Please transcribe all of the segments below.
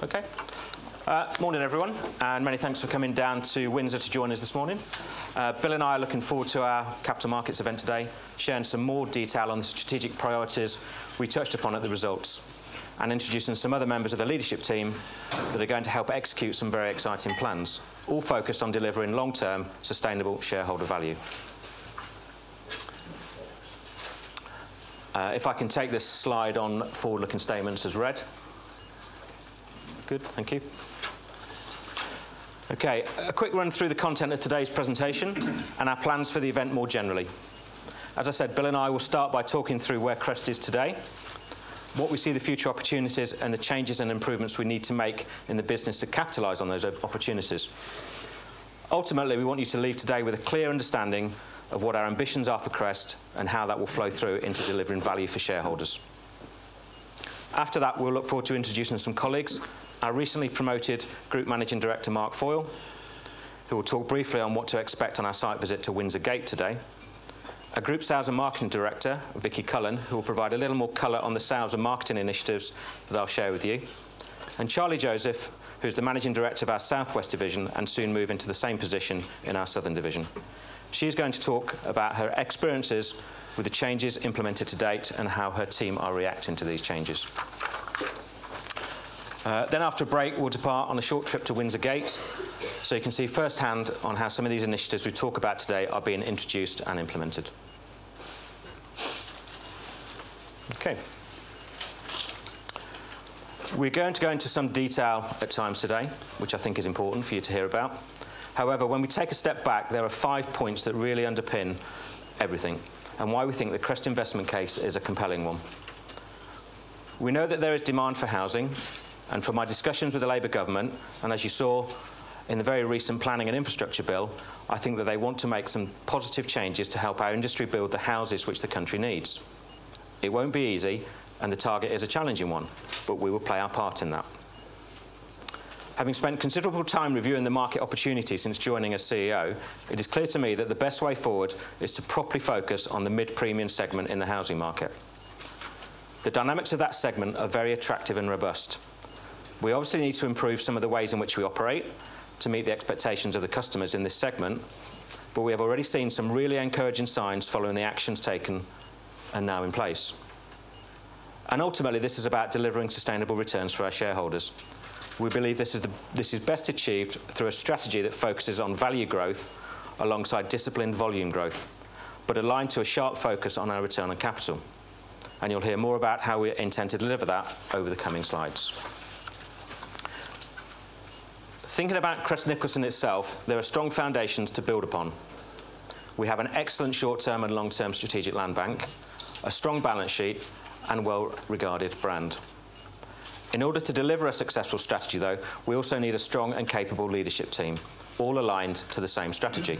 Okay. Morning everyone, and many thanks for coming down to Windsor to join us this morning. Bill and I are looking forward to our capital markets event today, sharing some more detail on the strategic priorities we touched upon at the results, and introducing some other members of the leadership team that are going to help execute some very exciting plans, all focused on delivering long-term sustainable shareholder value. If I can take this slide on forward-looking statements as read. Good. Thank you. Okay, a quick run through the content of today's presentation and our plans for the event more generally. As I said, Bill and I will start by talking through where Crest is today, what we see the future opportunities, and the changes and improvements we need to make in the business to capitalize on those opportunities. Ultimately, we want you to leave today with a clear understanding of what our ambitions are for Crest and how that will flow through into delivering value for shareholders. After that, we'll look forward to introducing some colleagues. Our recently promoted Group Managing Director, Mark Foyle, who will talk briefly on what to expect on our site visit to Windsor Gate today. Our Group Sales and Marketing Director, Vicky Cullen, who will provide a little more color on the sales and marketing initiatives that I'll share with you. Charlie Joseph, who's the Managing Director of our Southwest division and soon move into the same position in our southern division. She's going to talk about her experiences with the changes implemented to date and how her team are reacting to these changes. Then after a break, we'll depart on a short trip to Windsor Gate so you can see firsthand on how some of these initiatives we talk about today are being introduced and implemented. Okay. We're going to go into some detail at times today, which I think is important for you to hear about. However, when we take a step back, there are five points that really underpin everything and why we think the Crest investment case is a compelling one. We know that there is demand for housing and from my discussions with the Labour government, and as you saw in the very recent Planning and Infrastructure Bill, I think that they want to make some positive changes to help our industry build the houses which the country needs. It won't be easy, and the target is a challenging one, but we will play our part in that. Having spent considerable time reviewing the market opportunity since joining as CEO, it is clear to me that the best way forward is to properly focus on the mid-premium segment in the housing market. The dynamics of that segment are very attractive and robust. We obviously need to improve some of the ways in which we operate to meet the expectations of the customers in this segment, but we have already seen some really encouraging signs following the actions taken and now in place. Ultimately, this is about delivering sustainable returns for our shareholders. We believe this is best achieved through a strategy that focuses on value growth alongside disciplined volume growth, aligned to a sharp focus on our return on capital. You'll hear more about how we intend to deliver that over the coming slides. Thinking about Crest Nicholson itself, there are strong foundations to build upon. We have an excellent short-term and long-term strategic land bank, a strong balance sheet, and well-regarded brand. In order to deliver a successful strategy, though, we also need a strong and capable leadership team, all aligned to the same strategy.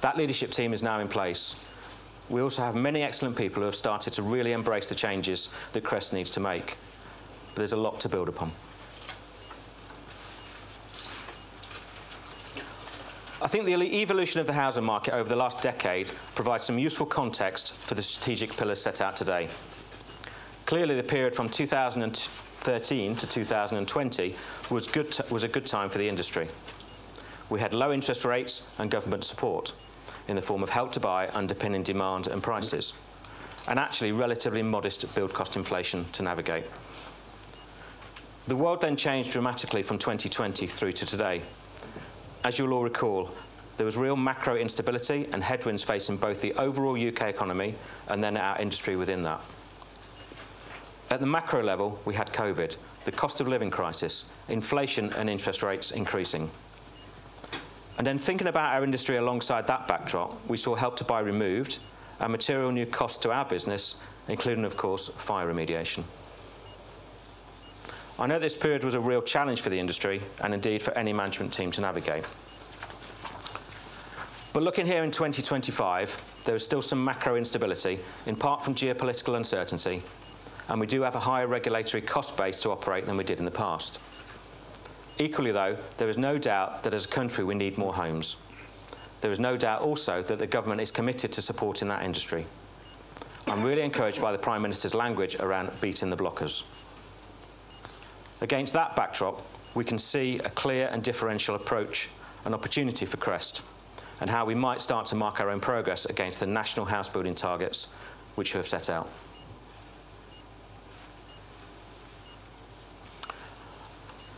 That leadership team is now in place. We also have many excellent people who have started to really embrace the changes that Crest needs to make. There's a lot to build upon. I think the evolution of the housing market over the last decade provides some useful context for the strategic pillars set out today. Clearly, the period from 2013-2020 was a good time for the industry. We had low interest rates and government support in the form of Help to Buy underpinning demand and prices, and actually relatively modest build cost inflation to navigate. The world then changed dramatically from 2020 through to today. As you'll all recall, there was real macro instability and headwinds facing both the overall U.K. economy and then our industry within that. At the macro level, we had COVID, the cost of living crisis, inflation and interest rates increasing. Thinking about our industry alongside that backdrop, we saw Help to Buy removed and material new cost to our business, including, of course, fire remediation. I know this period was a real challenge for the industry and indeed for any management team to navigate. Looking here in 2025, there is still some macro instability, in part from geopolitical uncertainty, and we do have a higher regulatory cost base to operate than we did in the past. Equally though, there is no doubt that as a country we need more homes. There is no doubt also that the government is committed to supporting that industry. I'm really encouraged by the Prime Minister's language around beating the blockers. Against that backdrop, we can see a clear and differential approach and opportunity for Crest and how we might start to mark our own progress against the national house building targets which we have set out.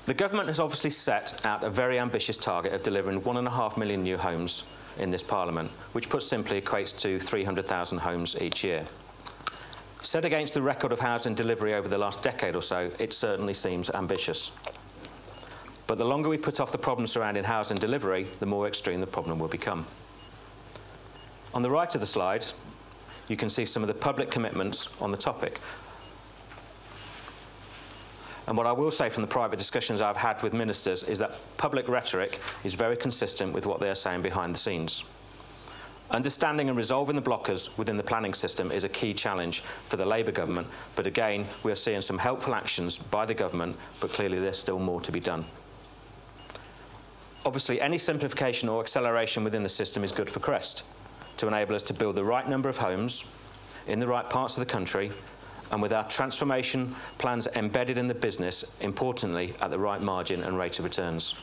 The government has obviously set out a very ambitious target of delivering 1.5 million new homes in this parliament, which put simply equates to 300,000 homes each year. Set against the record of housing delivery over the last decade or so, it certainly seems ambitious. The longer we put off the problems surrounding housing delivery, the more extreme the problem will become. On the right of the slide, you can see some of the public commitments on the topic. What I will say from the private discussions I've had with ministers is that public rhetoric is very consistent with what they are saying behind the scenes. Understanding and resolving the blockers within the planning system is a key challenge for the Labour government. Again, we are seeing some helpful actions by the government. Clearly, there's still more to be done. Obviously, any simplification or acceleration within the system is good for Crest to enable us to build the right number of homes in the right parts of the country and with our transformation plans embedded in the business, importantly, at the right margin and rate of returns.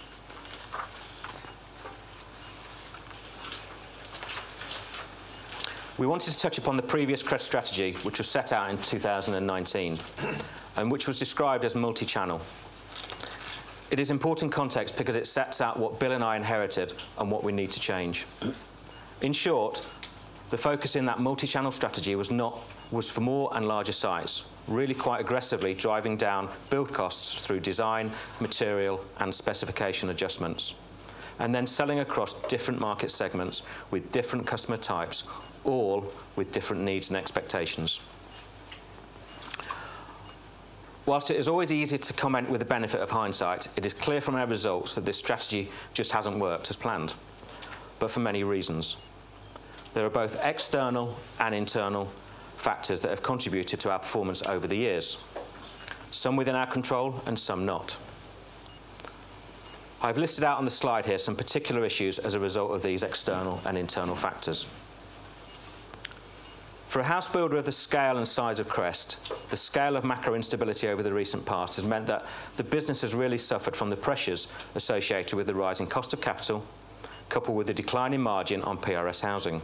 We wanted to touch upon the previous Crest strategy, which was set out in 2019, which was described as multi-channel. It is important context because it sets out what Bill and I inherited and what we need to change. In short, the focus in that multi-channel strategy was for more and larger size, really quite aggressively driving down build costs through design, material and specification adjustments. Selling across different market segments with different customer types, all with different needs and expectations. Whilst it is always easy to comment with the benefit of hindsight, it is clear from our results that this strategy just hasn't worked as planned, but for many reasons. There are both external and internal factors that have contributed to our performance over the years, some within our control and some not. I've listed out on the slide here some particular issues as a result of these external and internal factors. For a house builder of the scale and size of Crest, the scale of macro instability over the recent past has meant that the business has really suffered from the pressures associated with the rising cost of capital, coupled with a decline in margin on PRS housing.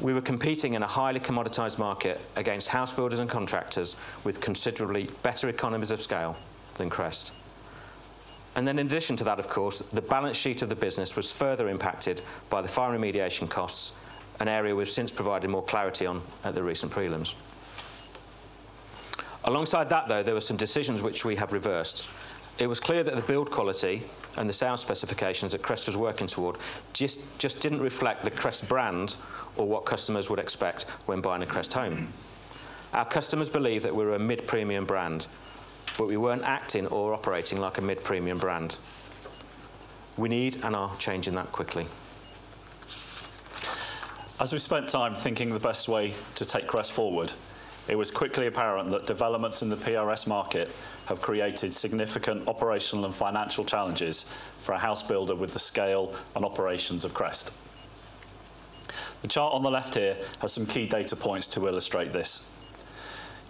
We were competing in a highly commoditized market against house builders and contractors with considerably better economies of scale than Crest. In addition to that, of course, the balance sheet of the business was further impacted by the fire remediation costs, an area we've since provided more clarity on at the recent prelims. Alongside that, though, there were some decisions which we have reversed. It was clear that the build quality and the sound specifications that Crest was working toward just didn't reflect the Crest brand or what customers would expect when buying a Crest home. Our customers believe that we're a mid-premium brand, but we weren't acting or operating like a mid-premium brand. We need and are changing that quickly. As we spent time thinking the best way to take Crest forward, it was quickly apparent that developments in the PRS market have created significant operational and financial challenges for a house builder with the scale and operations of Crest. The chart on the left here has some key data points to illustrate this.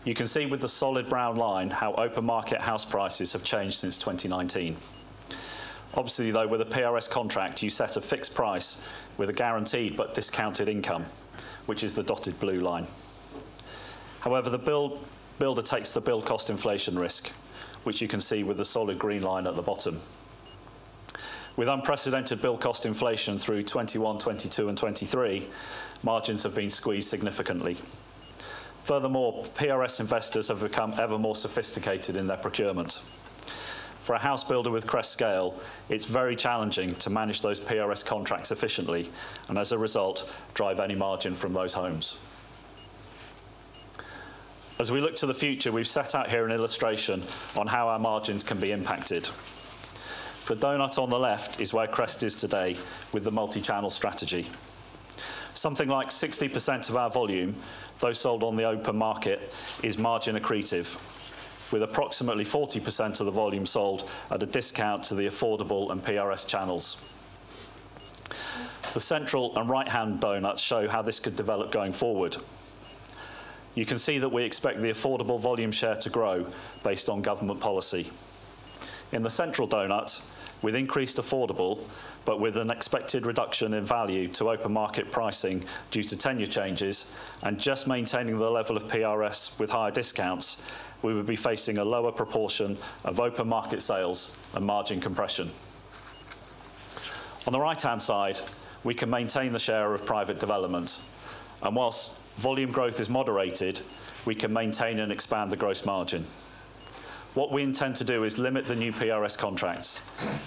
You can see with the solid brown line how open market house prices have changed since 2019. Obviously, though, with a PRS contract, you set a fixed price with a guaranteed but discounted income, which is the dotted blue line. However, the builder takes the build cost inflation risk, which you can see with the solid green line at the bottom. With unprecedented build cost inflation through 2021, 2022 and 2023, margins have been squeezed significantly. Furthermore, PRS investors have become ever more sophisticated in their procurement. For a house builder with Crest's scale, it's very challenging to manage those PRS contracts efficiently and as a result, drive any margin from those homes. As we look to the future, we've set out here an illustration on how our margins can be impacted. The donut on the left is where Crest is today with the multi-channel strategy. Something like 60% of our volume, though sold on the open market, is margin accretive, with approximately 40% of the volume sold at a discount to the affordable and PRS channels. The central and right-hand donuts show how this could develop going forward. You can see that we expect the affordable volume share to grow based on government policy. In the central donut, with increased affordable, but with an expected reduction in value to open market pricing due to tenure changes and just maintaining the level of PRS with higher discounts, we would be facing a lower proportion of open market sales and margin compression. On the right-hand side, we can maintain the share of private development. Whilst volume growth is moderated, we can maintain and expand the gross margin. What we intend to do is limit the new PRS contracts,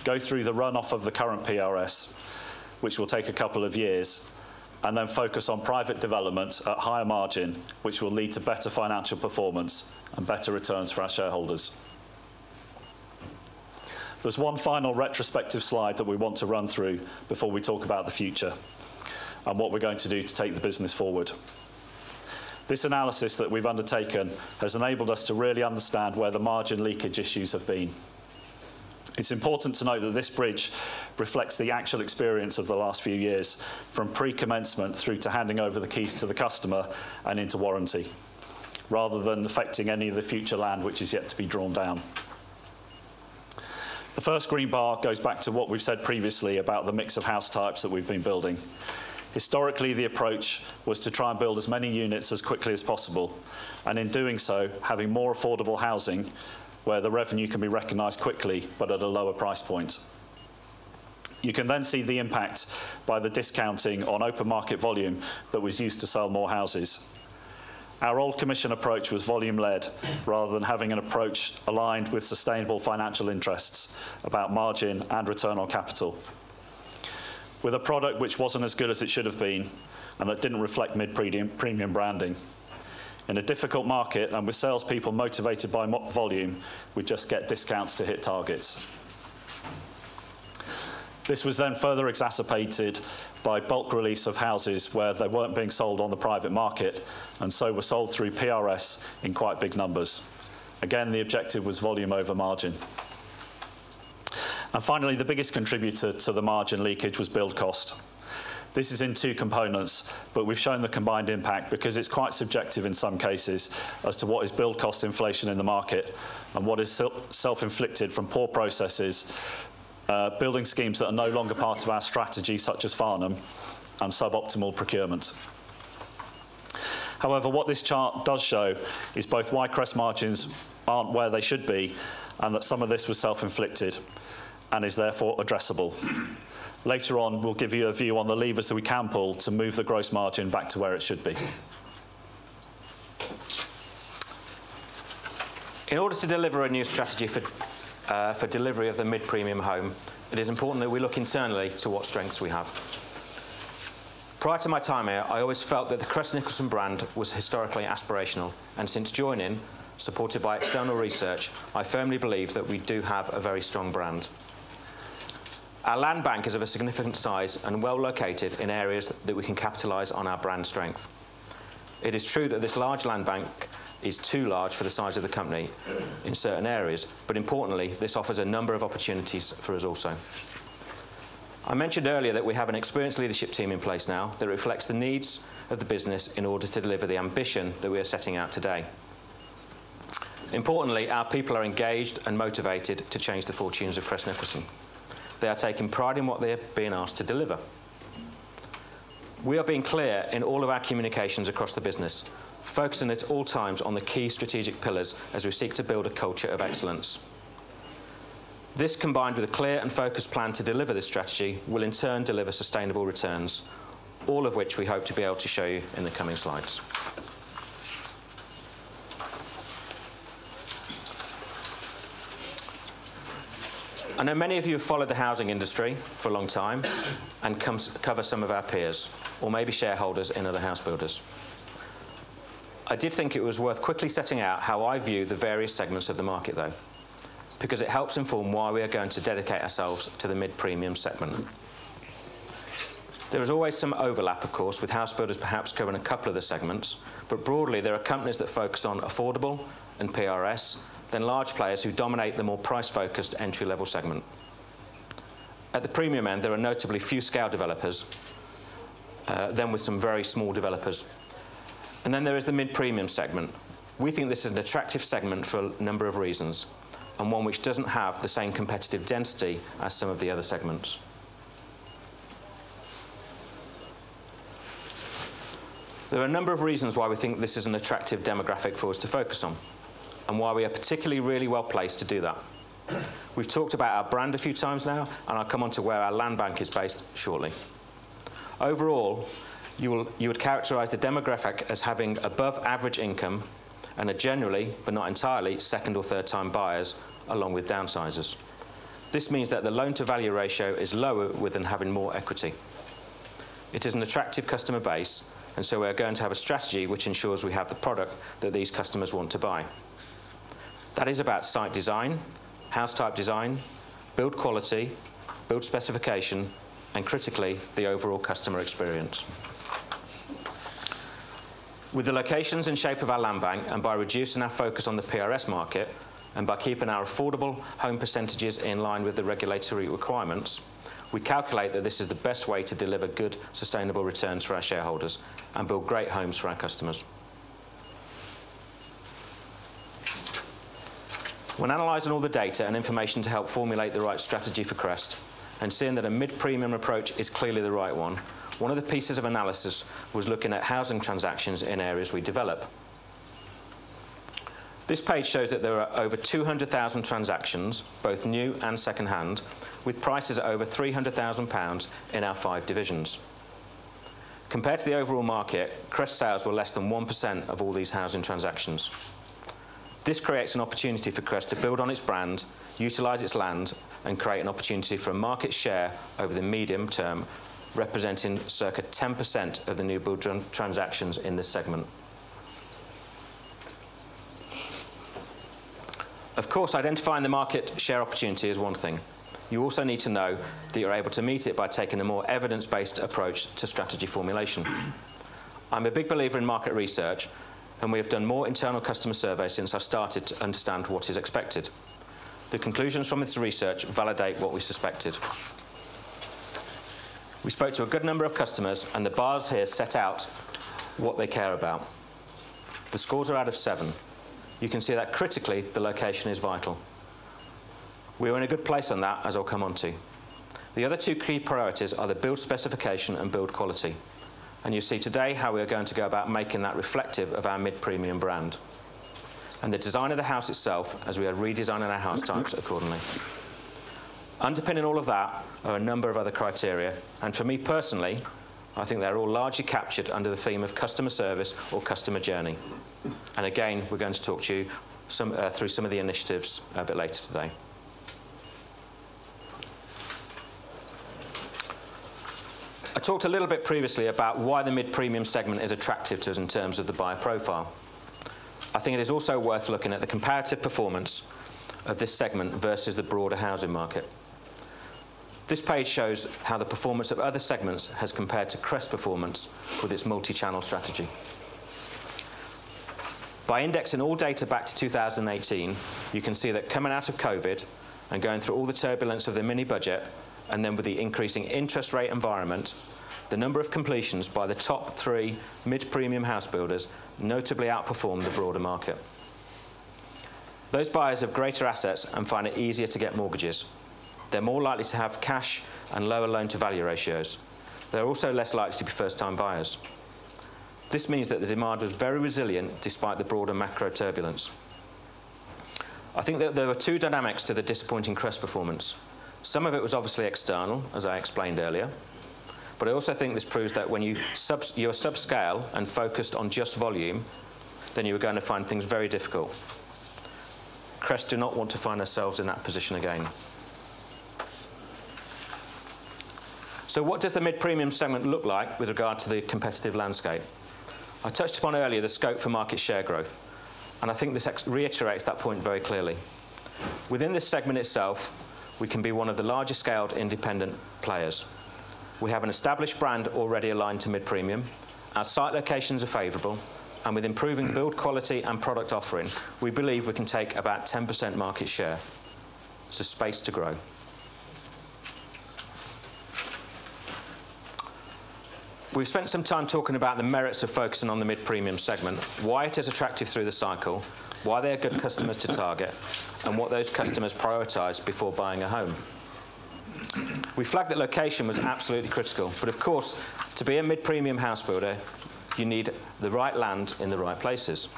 go through the runoff of the current PRS, which will take a couple of years, and then focus on private development at higher margin, which will lead to better financial performance and better returns for our shareholders. There's one final retrospective slide that we want to run through before we talk about the future and what we're going to do to take the business forward. This analysis that we've undertaken has enabled us to really understand where the margin leakage issues have been. It's important to note that this bridge reflects the actual experience of the last few years, from pre-commencement through to handing over the keys to the customer and into warranty, rather than affecting any of the future land which is yet to be drawn down. The first green bar goes back to what we've said previously about the mix of house types that we've been building. Historically, the approach was to try and build as many units as quickly as possible, and in doing so, having more affordable housing where the revenue can be recognized quickly, but at a lower price point. You can then see the impact by the discounting on open market volume that was used to sell more houses. Our old commission approach was volume led rather than having an approach aligned with sustainable financial interests about margin and return on capital. With a product which wasn't as good as it should have been and that didn't reflect mid-premium, premium branding. In a difficult market and with salespeople motivated by volume, we just get discounts to hit targets. This was further exacerbated by bulk release of houses where they weren't being sold on the private market, and so were sold through PRS in quite big numbers. Again, the objective was volume over margin. Finally, the biggest contributor to the margin leakage was build cost. This is in two components, but we've shown the combined impact because it's quite subjective in some cases as to what is build cost inflation in the market and what is self-inflicted from poor processes, building schemes that are no longer part of our strategy, such as Farnham, and suboptimal procurement. However, what this chart does show is both why Crest margins aren't where they should be and that some of this was self-inflicted and is therefore addressable. Later on, we'll give you a view on the levers that we can pull to move the gross margin back to where it should be. In order to deliver a new strategy for delivery of the mid-premium home, it is important that we look internally to what strengths we have. Prior to my time here, I always felt that the Crest Nicholson brand was historically aspirational, and since joining, supported by external research, I firmly believe that we do have a very strong brand. Our land bank is of a significant size and well located in areas that we can capitalize on our brand strength. It is true that this large land bank is too large for the size of the company in certain areas, but importantly, this offers a number of opportunities for us also. I mentioned earlier that we have an experienced leadership team in place now that reflects the needs of the business in order to deliver the ambition that we are setting out today. Importantly, our people are engaged and motivated to change the fortunes of Crest Nicholson. They are taking pride in what they are being asked to deliver. We are being clear in all of our communications across the business, focusing at all times on the key strategic pillars as we seek to build a culture of excellence. This, combined with a clear and focused plan to deliver this strategy, will in turn deliver sustainable returns, all of which we hope to be able to show you in the coming slides. I know many of you have followed the housing industry for a long time and cover some of our peers, or may be shareholders in other house builders. I did think it was worth quickly setting out how I view the various segments of the market, though, because it helps inform why we are going to dedicate ourselves to the mid-premium segment. There is always some overlap, of course, with house builders perhaps covering a couple of the segments, but broadly, there are companies that focus on affordable and PRS, then large players who dominate the more price-focused entry-level segment. At the premium end, there are notably few scale developers, then with some very small developers, and then there is the mid-premium segment. We think this is an attractive segment for a number of reasons, and one which doesn't have the same competitive density as some of the other segments. There are a number of reasons why we think this is an attractive demographic for us to focus on, and why we are particularly really well-placed to do that. We've talked about our brand a few times now, and I'll come on to where our land bank is based shortly. Overall, you would characterize the demographic as having above average income and are generally, but not entirely, second or third time buyers, along with downsizers. This means that the loan to value ratio is lower with them having more equity. It is an attractive customer base, and so we are going to have a strategy which ensures we have the product that these customers want to buy. That is about site design, house type design, build quality, build specification, and critically, the overall customer experience. With the locations and shape of our land bank, and by reducing our focus on the PRS market, and by keeping our affordable home percentages in line with the regulatory requirements, we calculate that this is the best way to deliver good, sustainable returns for our shareholders and build great homes for our customers. When analyzing all the data and information to help formulate the right strategy for Crest and seeing that a mid-premium approach is clearly the right one of the pieces of analysis was looking at housing transactions in areas we develop. This page shows that there are over 200,000 transactions, both new and second-hand, with prices over 300,000 pounds in our five divisions. Compared to the overall market, Crest sales were less than 1% of all these housing transactions. This creates an opportunity for Crest to build on its brand, utilize its land, and create an opportunity for a market share over the medium term, representing circa 10% of the new build transactions in this segment. Identifying the market share opportunity is one thing. You also need to know that you're able to meet it by taking a more evidence-based approach to strategy formulation. I'm a big believer in market research, and we have done more internal customer surveys since I started to understand what is expected. The conclusions from this research validate what we suspected. We spoke to a good number of customers, and the bars here set out what they care about. The scores are out of seven. You can see that critically, the location is vital. We are in a good place on that, as I'll come on to. The other two key priorities are the build specification and build quality, and you'll see today how we are going to go about making that reflective of our mid-premium brand. The design of the house itself, as we are redesigning our house types accordingly. Underpinning all of that are a number of other criteria, and for me personally, I think they are all largely captured under the theme of customer service or customer journey. Again, we're going to talk to you some through some of the initiatives a bit later today. I talked a little bit previously about why the mid-premium segment is attractive to us in terms of the buyer profile. I think it is also worth looking at the comparative performance of this segment versus the broader housing market. This page shows how the performance of other segments has compared to Crest performance with its multi-channel strategy. By indexing all data back to 2018, you can see that coming out of COVID and going through all the turbulence of the mini budget, and then with the increasing interest rate environment, the number of completions by the top three mid-premium house builders notably outperformed the broader market. Those buyers have greater assets and find it easier to get mortgages. They're more likely to have cash and lower loan to value ratios. They're also less likely to be first time buyers. This means that the demand was very resilient despite the broader macro turbulence. I think that there were two dynamics to the disappointing Crest performance. Some of it was obviously external, as I explained earlier. I also think this proves that when you're subscale and focused on just volume, you are going to find things very difficult. Crest do not want to find ourselves in that position again. What does the mid-premium segment look like with regard to the competitive landscape? I touched upon earlier the scope for market share growth. I think this reiterates that point very clearly. Within this segment itself, we can be one of the largest scaled independent players. We have an established brand already aligned to mid-premium. Our site locations are favorable, and with improving build quality and product offering, we believe we can take about 10% market share. There's a space to grow. We've spent some time talking about the merits of focusing on the mid-premium segment, why it is attractive through the cycle, why they are good customers to target, and what those customers prioritize before buying a home. We flagged that location was absolutely critical, but of course, to be a mid-premium house builder, you need the right land in the right places.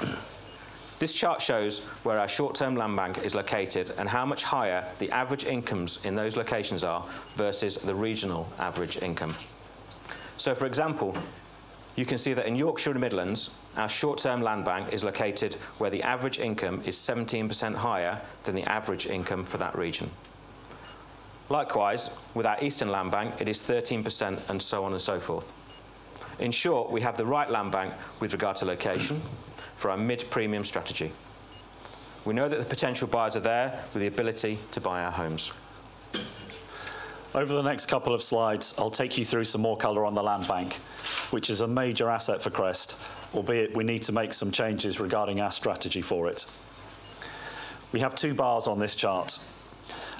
This chart shows where our short term land bank is located and how much higher the average incomes in those locations are versus the regional average income. For example, you can see that in Yorkshire and Midlands, our short term land bank is located where the average income is 17% higher than the average income for that region. Likewise, with our eastern land bank, it is 13% and so on and so forth. In short, we have the right land bank with regard to location for our mid-premium strategy. We know that the potential buyers are there with the ability to buy our homes. Over the next couple of slides, I'll take you through some more color on the land bank, which is a major asset for Crest, albeit we need to make some changes regarding our strategy for it. We have two bars on this chart.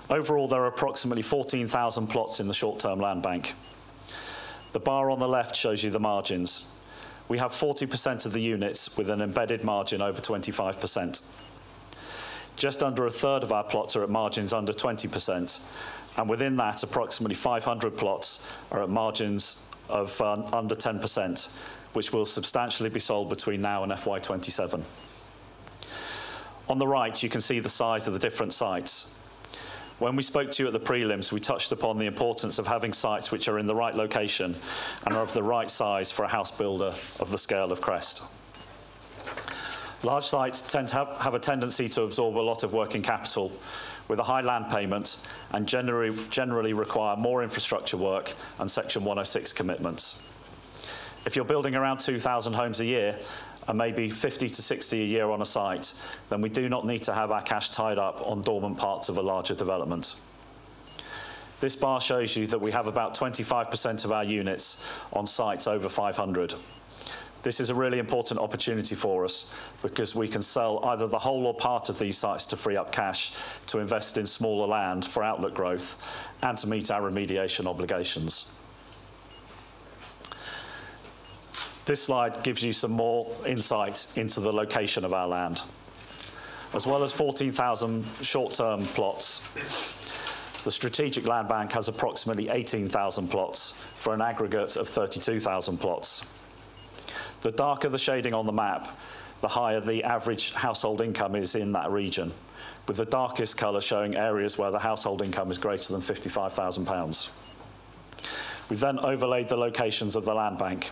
Overall, there are approximately 14,000 plots in the short term land bank. The bar on the left shows you the margins. We have 40% of the units with an embedded margin over 25%. Just under a third of our plots are at margins under 20%, and within that approximately 500 plots are at margins of under 10%, which will substantially be sold between now and FY 2027. On the right, you can see the size of the different sites. When we spoke to you at the prelims, we touched upon the importance of having sites which are in the right location and are of the right size for a house builder of the scale of Crest Nicholson. Large sites tend to have a tendency to absorb a lot of working capital with a high land payment and generally require more infrastructure work and Section 106 commitments. If you're building around 2,000 homes a year and maybe 50-60 a year on a site, then we do not need to have our cash tied up on dormant parts of a larger development. This bar shows you that we have about 25% of our units on sites over 500. This is a really important opportunity for us because we can sell either the whole or part of these sites to free up cash to invest in smaller land for outlook growth and to meet our remediation obligations. This slide gives you some more insight into the location of our land. As well as 14,000 short term plots, the strategic land bank has approximately 18,000 plots for an aggregate of 32,000 plots. The darker the shading on the map, the higher the average household income is in that region, with the darkest color showing areas where the household income is greater than 55,000 pounds. We've then overlaid the locations of the land bank.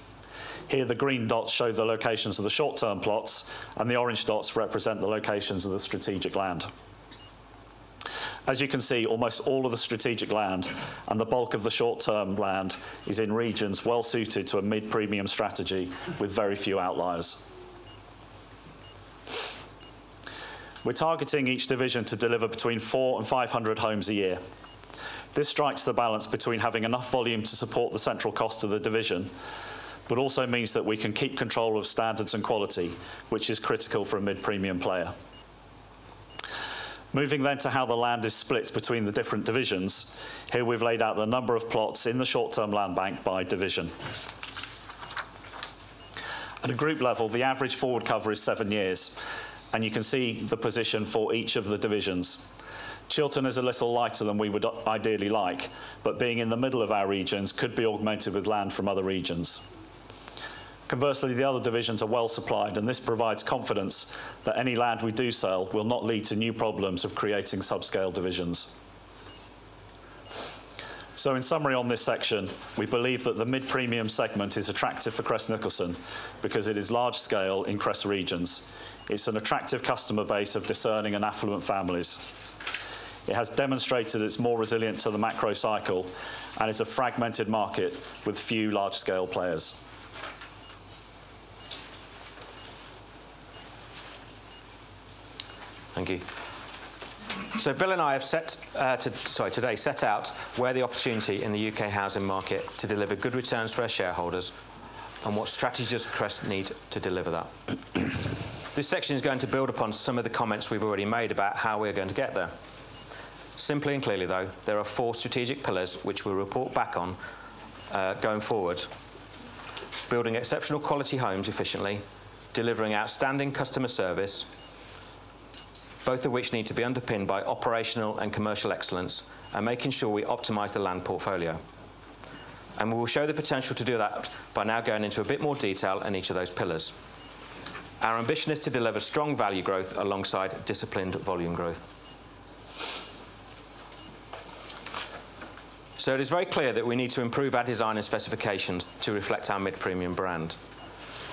Here, the green dots show the locations of the short term plots, and the orange dots represent the locations of the strategic land. As you can see, almost all of the strategic land and the bulk of the short term land is in regions well suited to a mid-premium strategy with very few outliers. We're targeting each division to deliver between 400 and 500 homes a year. This strikes the balance between having enough volume to support the central cost of the division, but also means that we can keep control of standards and quality, which is critical for a mid-premium player. Moving to how the land is split between the different divisions. Here we've laid out the number of plots in the short-term land bank by division. At a group level, the average forward cover is seven years. You can see the position for each of the divisions. Chiltern is a little lighter than we would ideally like. Being in the middle of our regions could be augmented with land from other regions. Conversely, the other divisions are well supplied. This provides confidence that any land we do sell will not lead to new problems of creating subscale divisions. In summary on this section, we believe that the mid-premium segment is attractive for Crest Nicholson because it is large scale in Crest regions. It's an attractive customer base of discerning and affluent families. It has demonstrated it's more resilient to the macro cycle and is a fragmented market with few large-scale players. Thank you. Bill and I have today set out where the opportunity in the U.K. housing market to deliver good returns for our shareholders and what strategies Crest need to deliver that. This section is going to build upon some of the comments we've already made about how we're going to get there. Simply and clearly, though, there are four strategic pillars which we'll report back on going forward. Building exceptional quality homes efficiently, delivering outstanding customer service, both of which need to be underpinned by operational and commercial excellence, and making sure we optimize the land portfolio. We will show the potential to do that by now going into a bit more detail in each of those pillars. Our ambition is to deliver strong value growth alongside disciplined volume growth. It is very clear that we need to improve our design and specifications to reflect our mid-premium brand.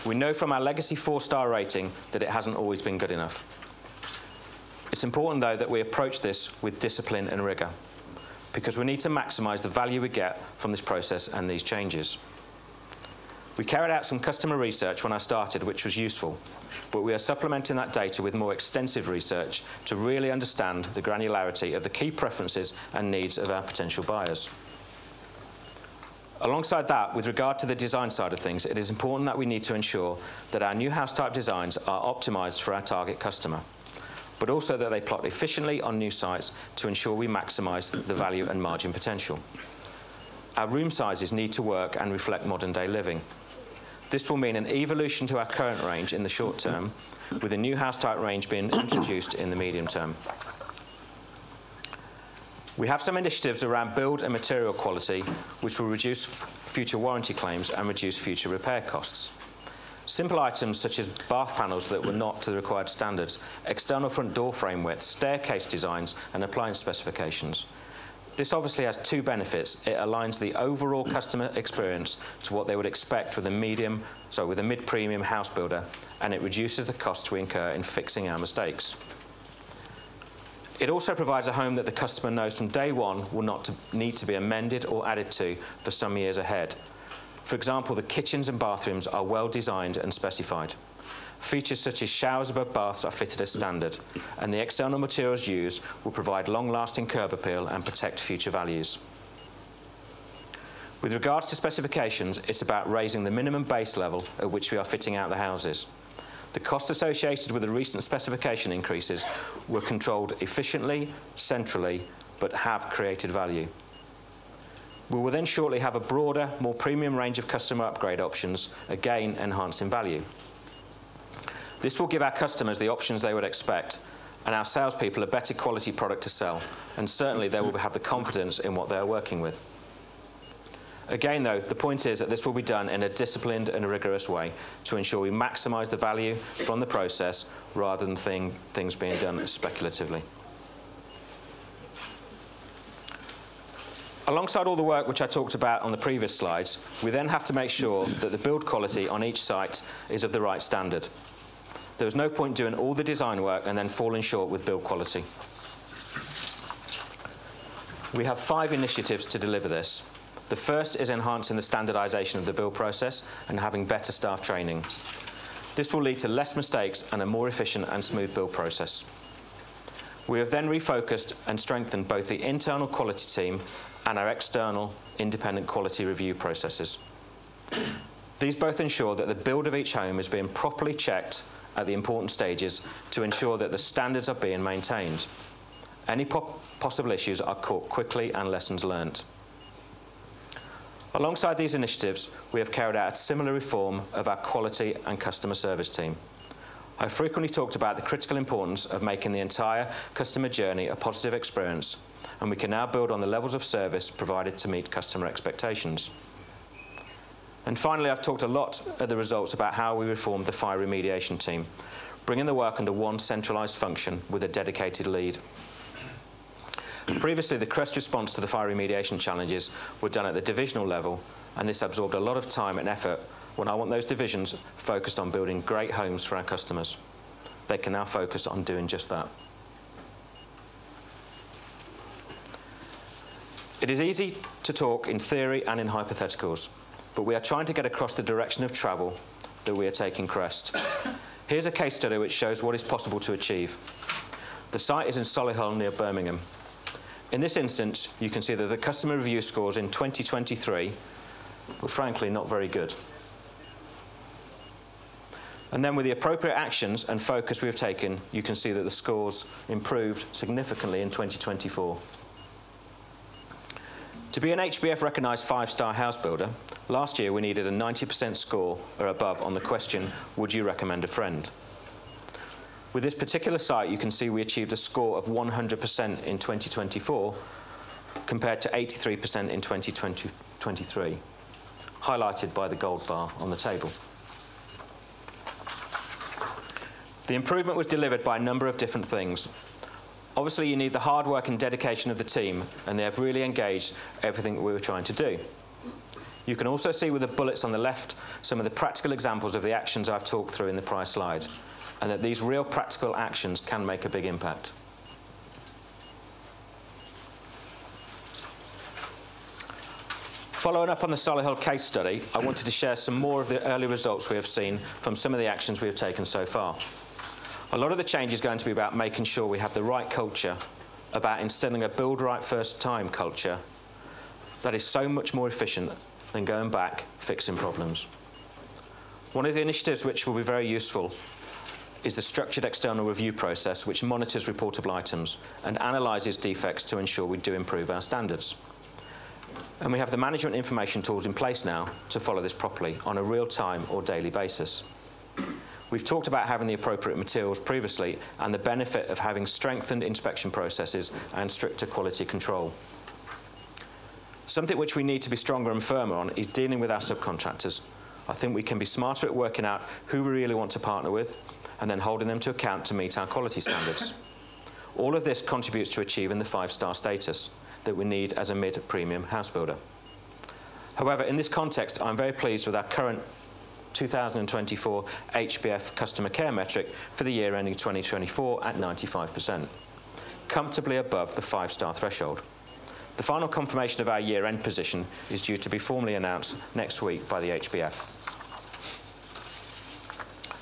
We know from our legacy four-star rating that it hasn't always been good enough. It's important, though, that we approach this with discipline and rigor because we need to maximize the value we get from this process and these changes. We carried out some customer research when I started, which was useful, but we are supplementing that data with more extensive research to really understand the granularity of the key preferences and needs of our potential buyers. Alongside that, with regard to the design side of things, it is important that we need to ensure that our new house type designs are optimized for our target customer, but also that they plot efficiently on new sites to ensure we maximize the value and margin potential. Our room sizes need to work and reflect modern day living. This will mean an evolution to our current range in the short term, with a new house type range being introduced in the medium term. We have some initiatives around build and material quality, which will reduce future warranty claims and reduce future repair costs. Simple items such as bath panels that were not to the required standards, external front door frame widths, staircase designs, and appliance specifications. This obviously has two benefits. It aligns the overall customer experience to what they would expect with a medium, sorry, with a mid-premium housebuilder, and it reduces the cost we incur in fixing our mistakes. It also provides a home that the customer knows from day one will not need to be amended or added to for some years ahead. For example, the kitchens and bathrooms are well designed and specified. Features such as showers above baths are fitted as standard, and the external materials used will provide long-lasting curb appeal and protect future values. With regards to specifications, it's about raising the minimum base level at which we are fitting out the houses. The cost associated with the recent specification increases were controlled efficiently, centrally, but have created value. We will then shortly have a broader, more premium range of customer upgrade options, again, enhancing value. This will give our customers the options they would expect and our salespeople a better quality product to sell, and certainly they will have the confidence in what they are working with. Again, though, the point is that this will be done in a disciplined and rigorous way to ensure we maximize the value from the process rather than things being done speculatively. Alongside all the work which I talked about on the previous slides, we then have to make sure that the build quality on each site is of the right standard. There is no point doing all the design work and then falling short with build quality. We have five initiatives to deliver this. The first is enhancing the standardization of the build process and having better staff training. This will lead to less mistakes and a more efficient and smooth build process. We have refocused and strengthened both the internal quality team and our external independent quality review processes. These both ensure that the build of each home is being properly checked at the important stages to ensure that the standards are being maintained. Any possible issues are caught quickly and lessons learned. Alongside these initiatives, we have carried out a similar reform of our quality and customer service team. I frequently talked about the critical importance of making the entire customer journey a positive experience, and we can now build on the levels of service provided to meet customer expectations. Finally, I've talked a lot at the results about how we reformed the fire remediation team, bringing the work under one centralized function with a dedicated lead. Previously, the Crest response to the fire remediation challenges were done at the divisional level, and this absorbed a lot of time and effort when I want those divisions focused on building great homes for our customers. They can now focus on doing just that. It is easy to talk in theory and in hypotheticals, but we are trying to get across the direction of travel that we are taking Crest. Here's a case study which shows what is possible to achieve. The site is in Solihull, near Birmingham. In this instance, you can see that the customer review scores in 2023 were frankly not very good. With the appropriate actions and focus we have taken, you can see that the scores improved significantly in 2024. To be an HBF recognized five-star house builder, last year we needed a 90% score or above on the question, would you recommend a friend? With this particular site, you can see we achieved a score of 100% in 2024 compared to 83% in 2023, highlighted by the gold bar on the table. The improvement was delivered by a number of different things. Obviously, you need the hard work and dedication of the team, and they have really engaged everything we were trying to do. You can also see with the bullets on the left some of the practical examples of the actions I've talked through in the prior slide, and that these real practical actions can make a big impact. Following up on the Solihull case study, I wanted to share some more of the early results we have seen from some of the actions we have taken so far. A lot of the change is going to be about making sure we have the right culture about instilling a build right first time culture that is so much more efficient than going back fixing problems. One of the initiatives which will be very useful is the structured external review process which monitors reportable items and analyzes defects to ensure we do improve our standards, and we have the management information tools in place now to follow this properly on a real time or daily basis. We've talked about having the appropriate materials previously and the benefit of having strengthened inspection processes and stricter quality control. Something which we need to be stronger and firmer on is dealing with our subcontractors. I think we can be smarter at working out who we really want to partner with and then holding them to account to meet our quality standards. All of this contributes to achieving the five-star status that we need as a mid-premium house builder. In this context, I'm very pleased with our current 2024 HBF customer care metric for the year ending 2024 at 95%, comfortably above the five-star threshold. The final confirmation of our year-end position is due to be formally announced next week by the HBF.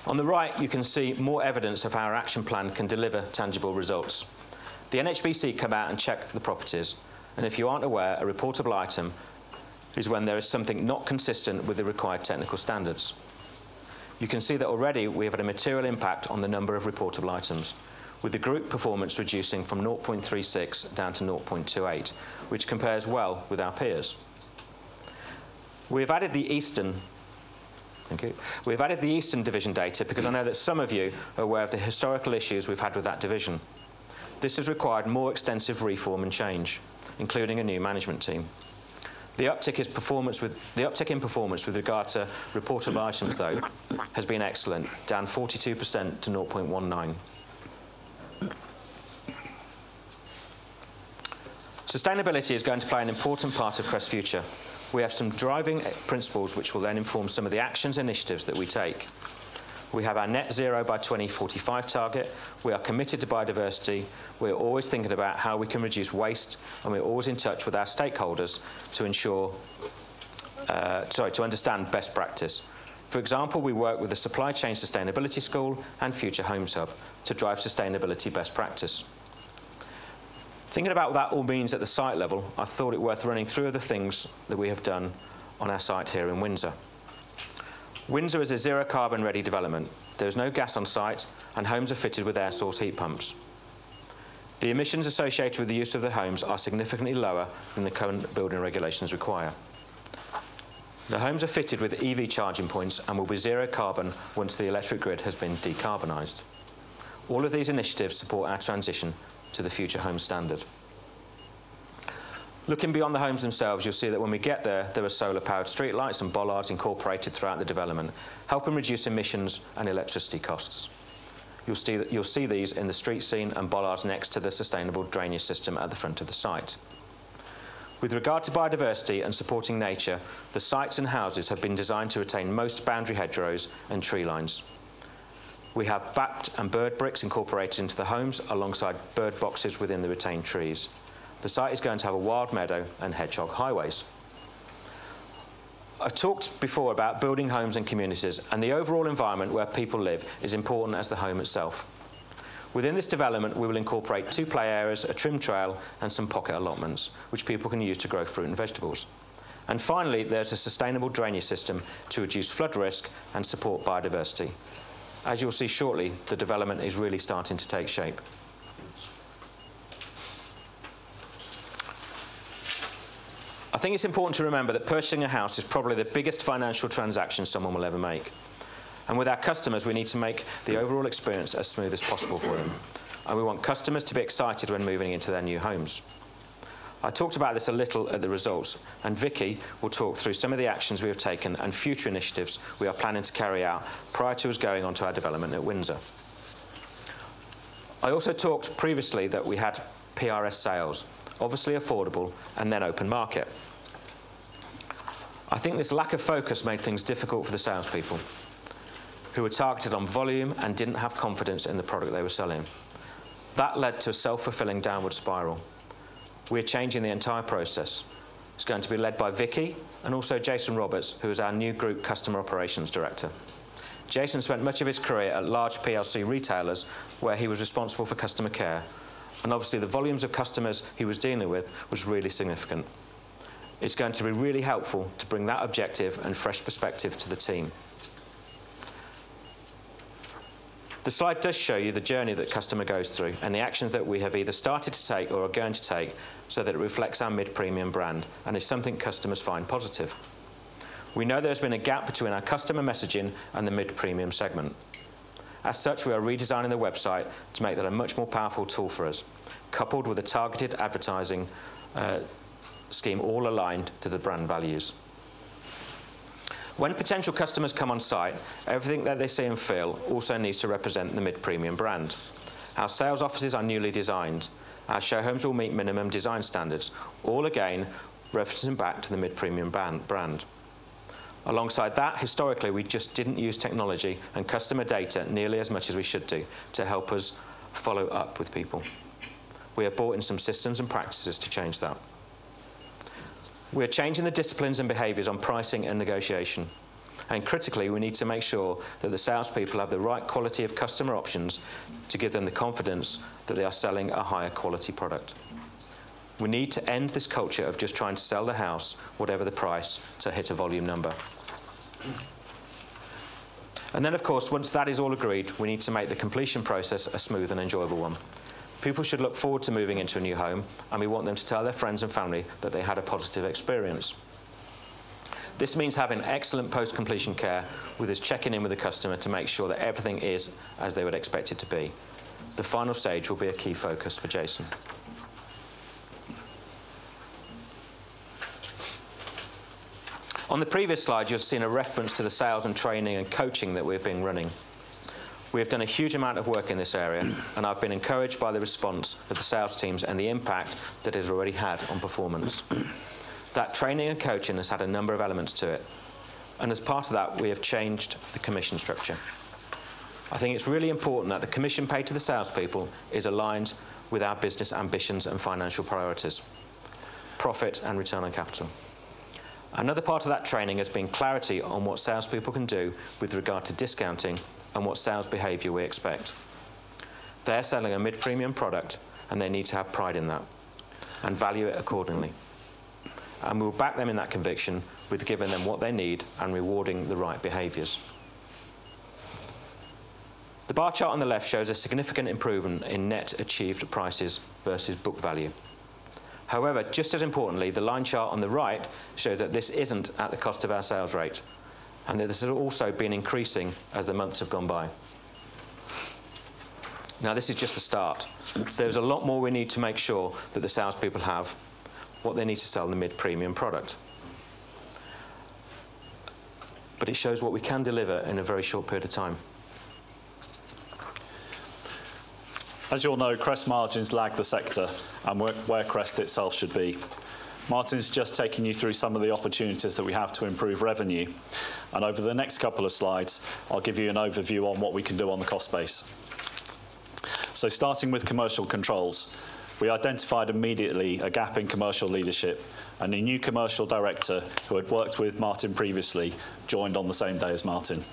On the right, you can see more evidence of how our action plan can deliver tangible results. The NHBC come out and check the properties, and if you aren't aware, a reportable item is when there is something not consistent with the required technical standards. You can see that already we have had a material impact on the number of reportable items, with the group performance reducing from 0.36 down to 0.28, which compares well with our peers. We have added the Eastern. Thank you. We have added the Eastern division data because I know that some of you are aware of the historical issues we've had with that division. This has required more extensive reform and change, including a new management team. The uptick in performance with regard to reportable items, though, has been excellent, down 42% to 0.19. Sustainability is going to play an important part of Crest Future. We have some driving principles which will then inform some of the actions initiatives that we take. We have our net zero by 2045 target. We are committed to biodiversity. We are always thinking about how we can reduce waste, and we're always in touch with our stakeholders to ensure, sorry, to understand best practice. For example, we work with the Supply Chain Sustainability School and Future Homes Hub to drive sustainability best practice. Thinking about what that all means at the site level, I thought it worth running through the things that we have done on our site here in Windsor. Windsor is a zero carbon ready development. There is no gas on site and homes are fitted with air source heat pumps. The emissions associated with the use of the homes are significantly lower than the current building regulations require. The homes are fitted with EV charging points and will be zero carbon once the electric grid has been decarbonized. All of these initiatives support our transition to the Future Homes Standard. Looking beyond the homes themselves, you'll see that when we get there are solar powered streetlights and bollards incorporated throughout the development, helping reduce emissions and electricity costs. You'll see these in the street scene and bollards next to the sustainable drainage system at the front of the site. With regard to biodiversity and supporting nature, the sites and houses have been designed to retain most boundary hedgerows and tree lines. We have bat and bird bricks incorporated into the homes alongside bird boxes within the retained trees. The site is going to have a wild meadow and hedgehog highways. I've talked before about building homes and communities and the overall environment where people live is important as the home itself. Within this development, we will incorporate two play areas, a trim trail and some pocket allotments which people can use to grow fruit and vegetables. Finally, there's a sustainable drainage system to reduce flood risk and support biodiversity. As you will see shortly, the development is really starting to take shape. I think it's important to remember that purchasing a house is probably the biggest financial transaction someone will ever make. With our customers, we need to make the overall experience as smooth as possible for them, and we want customers to be excited when moving into their new homes. I talked about this a little at the results and Vicky will talk through some of the actions we have taken and future initiatives we are planning to carry out prior to us going onto our development at Windsor. I also talked previously that we had PRS sales, obviously affordable and then open market. I think this lack of focus made things difficult for the salespeople who were targeted on volume and didn't have confidence in the product they were selling. That led to a self-fulfilling downward spiral. We are changing the entire process. It's going to be led by Vicky and also Jason Roberts, who is our new Group Customer Operations Director. Jason spent much of his career at large PLC retailers where he was responsible for customer care and obviously the volumes of customers he was dealing with was really significant. It's going to be really helpful to bring that objective and fresh perspective to the team. The slide does show you the journey that customer goes through and the actions that we have either started to take or are going to take so that it reflects our mid-premium brand and is something customers find positive. We know there's been a gap between our customer messaging and the mid-premium segment. As such, we are redesigning the website to make that a much more powerful tool for us, coupled with a targeted advertising scheme all aligned to the brand values. When potential customers come on site, everything that they see and feel also needs to represent the mid-premium brand. Our sales offices are newly designed. Our show homes will meet minimum design standards, all again referencing back to the mid-premium brand. Alongside that, historically, we just didn't use technology and customer data nearly as much as we should do to help us follow up with people. We have brought in some systems and practices to change that. We are changing the disciplines and behaviors on pricing and negotiation. Critically, we need to make sure that the salespeople have the right quality of customer options to give them the confidence that they are selling a higher quality product. We need to end this culture of just trying to sell the house whatever the price to hit a volume number. Of course, once that is all agreed, we need to make the completion process a smooth and enjoyable one. People should look forward to moving into a new home, and we want them to tell their friends and family that they had a positive experience. This means having excellent post-completion care, with us checking in with the customer to make sure that everything is as they would expect it to be. The final stage will be a key focus for Jason. On the previous slide, you've seen a reference to the sales and training and coaching that we've been running. We have done a huge amount of work in this area, and I've been encouraged by the response of the sales teams and the impact that it has already had on performance. That training and coaching has had a number of elements to it, and as part of that, we have changed the commission structure. I think it's really important that the commission paid to the salespeople is aligned with our business ambitions and financial priorities, profit and return on capital. Another part of that training has been clarity on what salespeople can do with regard to discounting and what sales behavior we expect. They're selling a mid-premium product and they need to have pride in that and value it accordingly. We will back them in that conviction with giving them what they need and rewarding the right behaviors. The bar chart on the left shows a significant improvement in net achieved prices versus book value. Just as importantly, the line chart on the right shows that this isn't at the cost of our sales rate and that this has also been increasing as the months have gone by. This is just the start. There's a lot more we need to make sure that the salespeople have what they need to sell the mid-premium product. It shows what we can deliver in a very short period of time. As you all know, Crest margins lag the sector and where Crest itself should be. Martyn's just taken you through some of the opportunities that we have to improve revenue, and over the next couple of slides, I'll give you an overview on what we can do on the cost base. Starting with commercial controls, we identified immediately a gap in commercial leadership and a new commercial director, who had worked with Martyn previously, joined on the same day as Martyn.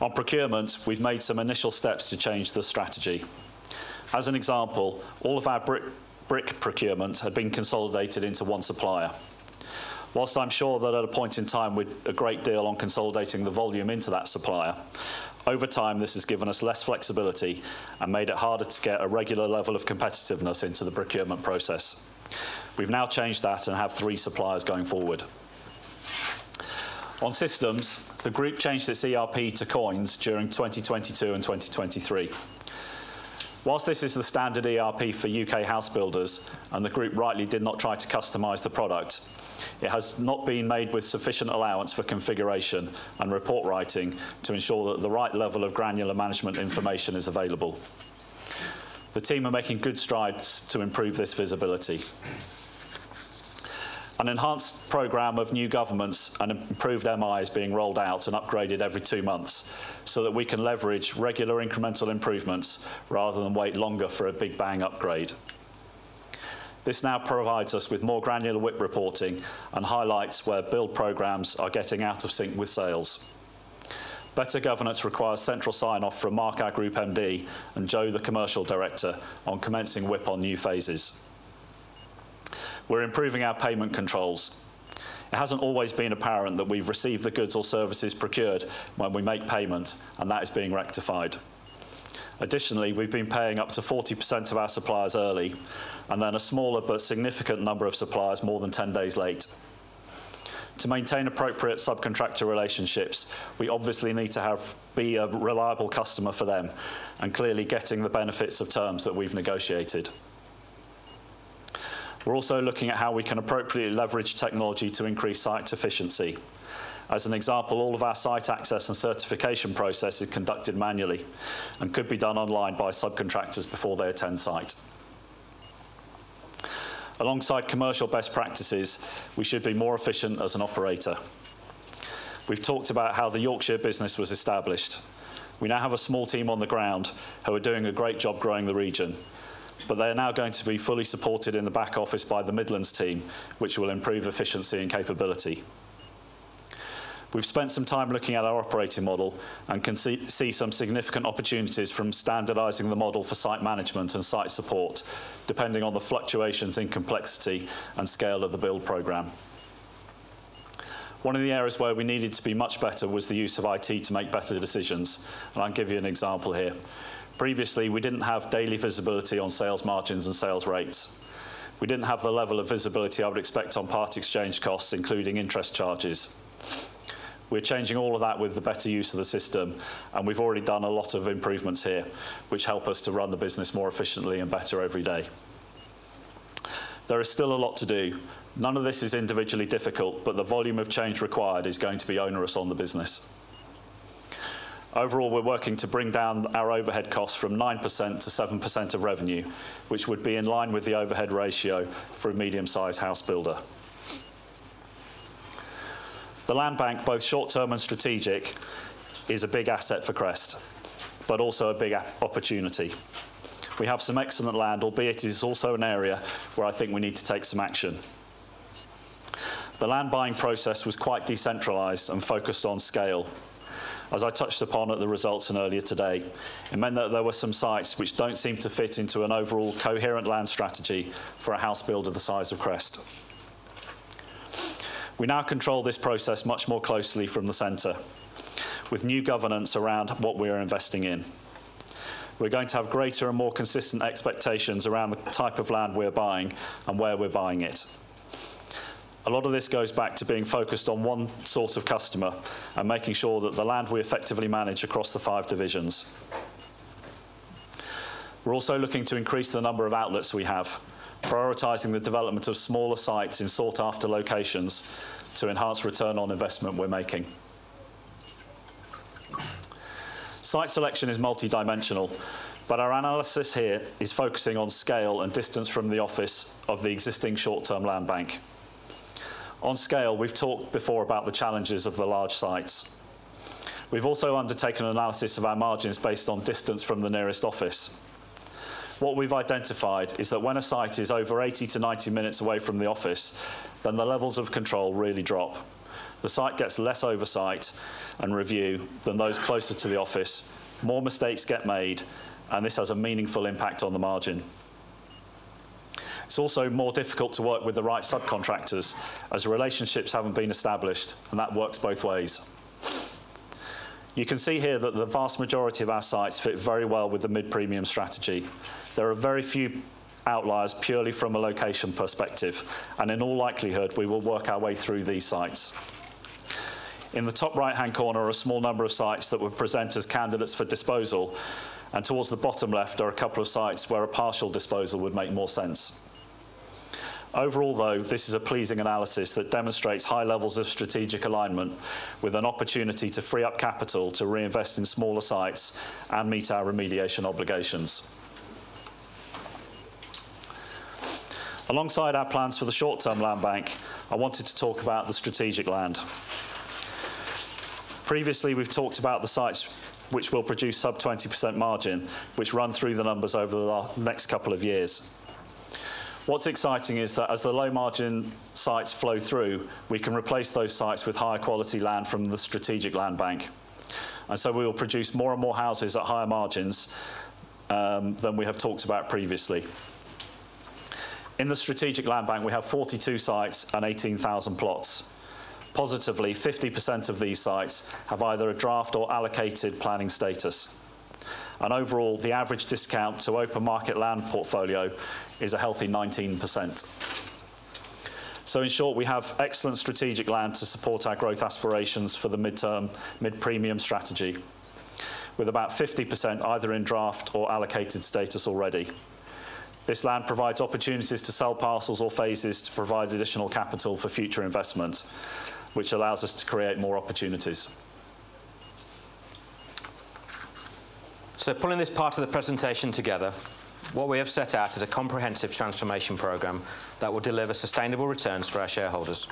On procurement, we've made some initial steps to change the strategy. As an example, all of our brick procurement had been consolidated into one supplier. Whilst I'm sure that at a point in time we had a great deal on consolidating the volume into that supplier, over time, this has given us less flexibility and made it harder to get a regular level of competitiveness into the procurement process. We've now changed that and have three suppliers going forward. On systems, the group changed its ERP to COINS during 2022 and 2023. Whilst this is the standard ERP for U.K. housebuilders, and the group rightly did not try to customize the product, it has not been made with sufficient allowance for configuration and report writing to ensure that the right level of granular Management Information is available. The team are making good strides to improve this visibility. An enhanced program of new governance and improved MI is being rolled out and upgraded every two months so that we can leverage regular incremental improvements rather than wait longer for a big bang upgrade. This now provides us with more granular WIP reporting and highlights where build programs are getting out of sync with sales. Better governance requires central sign-off from Mark, our Group MD, and Joe, the Commercial Director, on commencing WIP on new phases. We're improving our payment controls. It hasn't always been apparent that we've received the goods or services procured when we make payment, and that is being rectified. Additionally, we've been paying up to 40% of our suppliers early and then a smaller but significant number of suppliers more than 10 days late. To maintain appropriate subcontractor relationships, we obviously need to have... Be a reliable customer for them and clearly getting the benefits of terms that we've negotiated. We're also looking at how we can appropriately leverage technology to increase site efficiency. As an example, all of our site access and certification process is conducted manually and could be done online by subcontractors before they attend site. Alongside commercial best practices, we should be more efficient as an operator. We've talked about how the Yorkshire business was established. We now have a small team on the ground who are doing a great job growing the region, but they are now going to be fully supported in the back office by the Midlands team, which will improve efficiency and capability. We've spent some time looking at our operating model and can see some significant opportunities from standardizing the model for site management and site support, depending on the fluctuations in complexity and scale of the build program. One of the areas where we needed to be much better was the use of IT to make better decisions. I'll give you an example here. Previously, we didn't have daily visibility on sales margins and sales rates. We didn't have the level of visibility I would expect on part exchange costs, including interest charges. We're changing all of that with the better use of the system, and we've already done a lot of improvements here, which help us to run the business more efficiently and better every day. There is still a lot to do. None of this is individually difficult, but the volume of change required is going to be onerous on the business. Overall, we are working to bring down our overhead costs from 9%-7% of revenue, which would be in line with the overhead ratio for a medium-sized house builder. The land bank, both short-term and strategic, is a big asset for Crest, but also a big opportunity. We have some excellent land, albeit it is also an area where I think we need to take some action. The land buying process was quite decentralized and focused on scale. As I touched upon at the results and earlier today, it meant that there were some sites which don't seem to fit into an overall coherent land strategy for a house builder the size of Crest. We now control this process much more closely from the center with new governance around what we are investing in. We are going to have greater and more consistent expectations around the type of land we are buying and where we are buying it. A lot of this goes back to being focused on one sort of customer and making sure that the land we effectively manage across the five divisions. We are also looking to increase the number of outlets we have, prioritizing the development of smaller sites in sought after locations to enhance return on investment we are making. Site selection is multidimensional, but our analysis here is focusing on scale and distance from the office of the existing short term land bank. On scale, we have talked before about the challenges of the large sites. We have also undertaken analysis of our margins based on distance from the nearest office. What we have identified is that when a site is over 80 to 90 minutes away from the office, then the levels of control really drop. The site gets less oversight and review than those closer to the office. More mistakes get made, and this has a meaningful impact on the margin. It's also more difficult to work with the right subcontractors as relationships haven't been established, and that works both ways. You can see here that the vast majority of our sites fit very well with the mid-premium strategy. There are very few outliers purely from a location perspective, and in all likelihood, we will work our way through these sites. In the top right hand corner are a small number of sites that would present as candidates for disposal, and towards the bottom left are a couple of sites where a partial disposal would make more sense. Overall, though, this is a pleasing analysis that demonstrates high levels of strategic alignment with an opportunity to free up capital to reinvest in smaller sites and meet our remediation obligations. Alongside our plans for the short term land bank, I wanted to talk about the strategic land. Previously, we have talked about the sites which will produce sub 20% margin, which run through the numbers over the next couple of years. What's exciting is that as the low margin sites flow through, we can replace those sites with higher quality land from the strategic land bank. We will produce more and more houses at higher margins than we have talked about previously. In the strategic land bank, we have 42 sites and 18,000 plots. Positively, 50% of these sites have either a draft or allocated planning status. Overall, the average discount to open market land portfolio is a healthy 19%. In short, we have excellent strategic land to support our growth aspirations for the midterm mid-premium strategy with about 50% either in draft or allocated status already. This land provides opportunities to sell parcels or phases to provide additional capital for future investment, which allows us to create more opportunities. Pulling this part of the presentation together, what we have set out is a comprehensive transformation program that will deliver sustainable returns for our shareholders.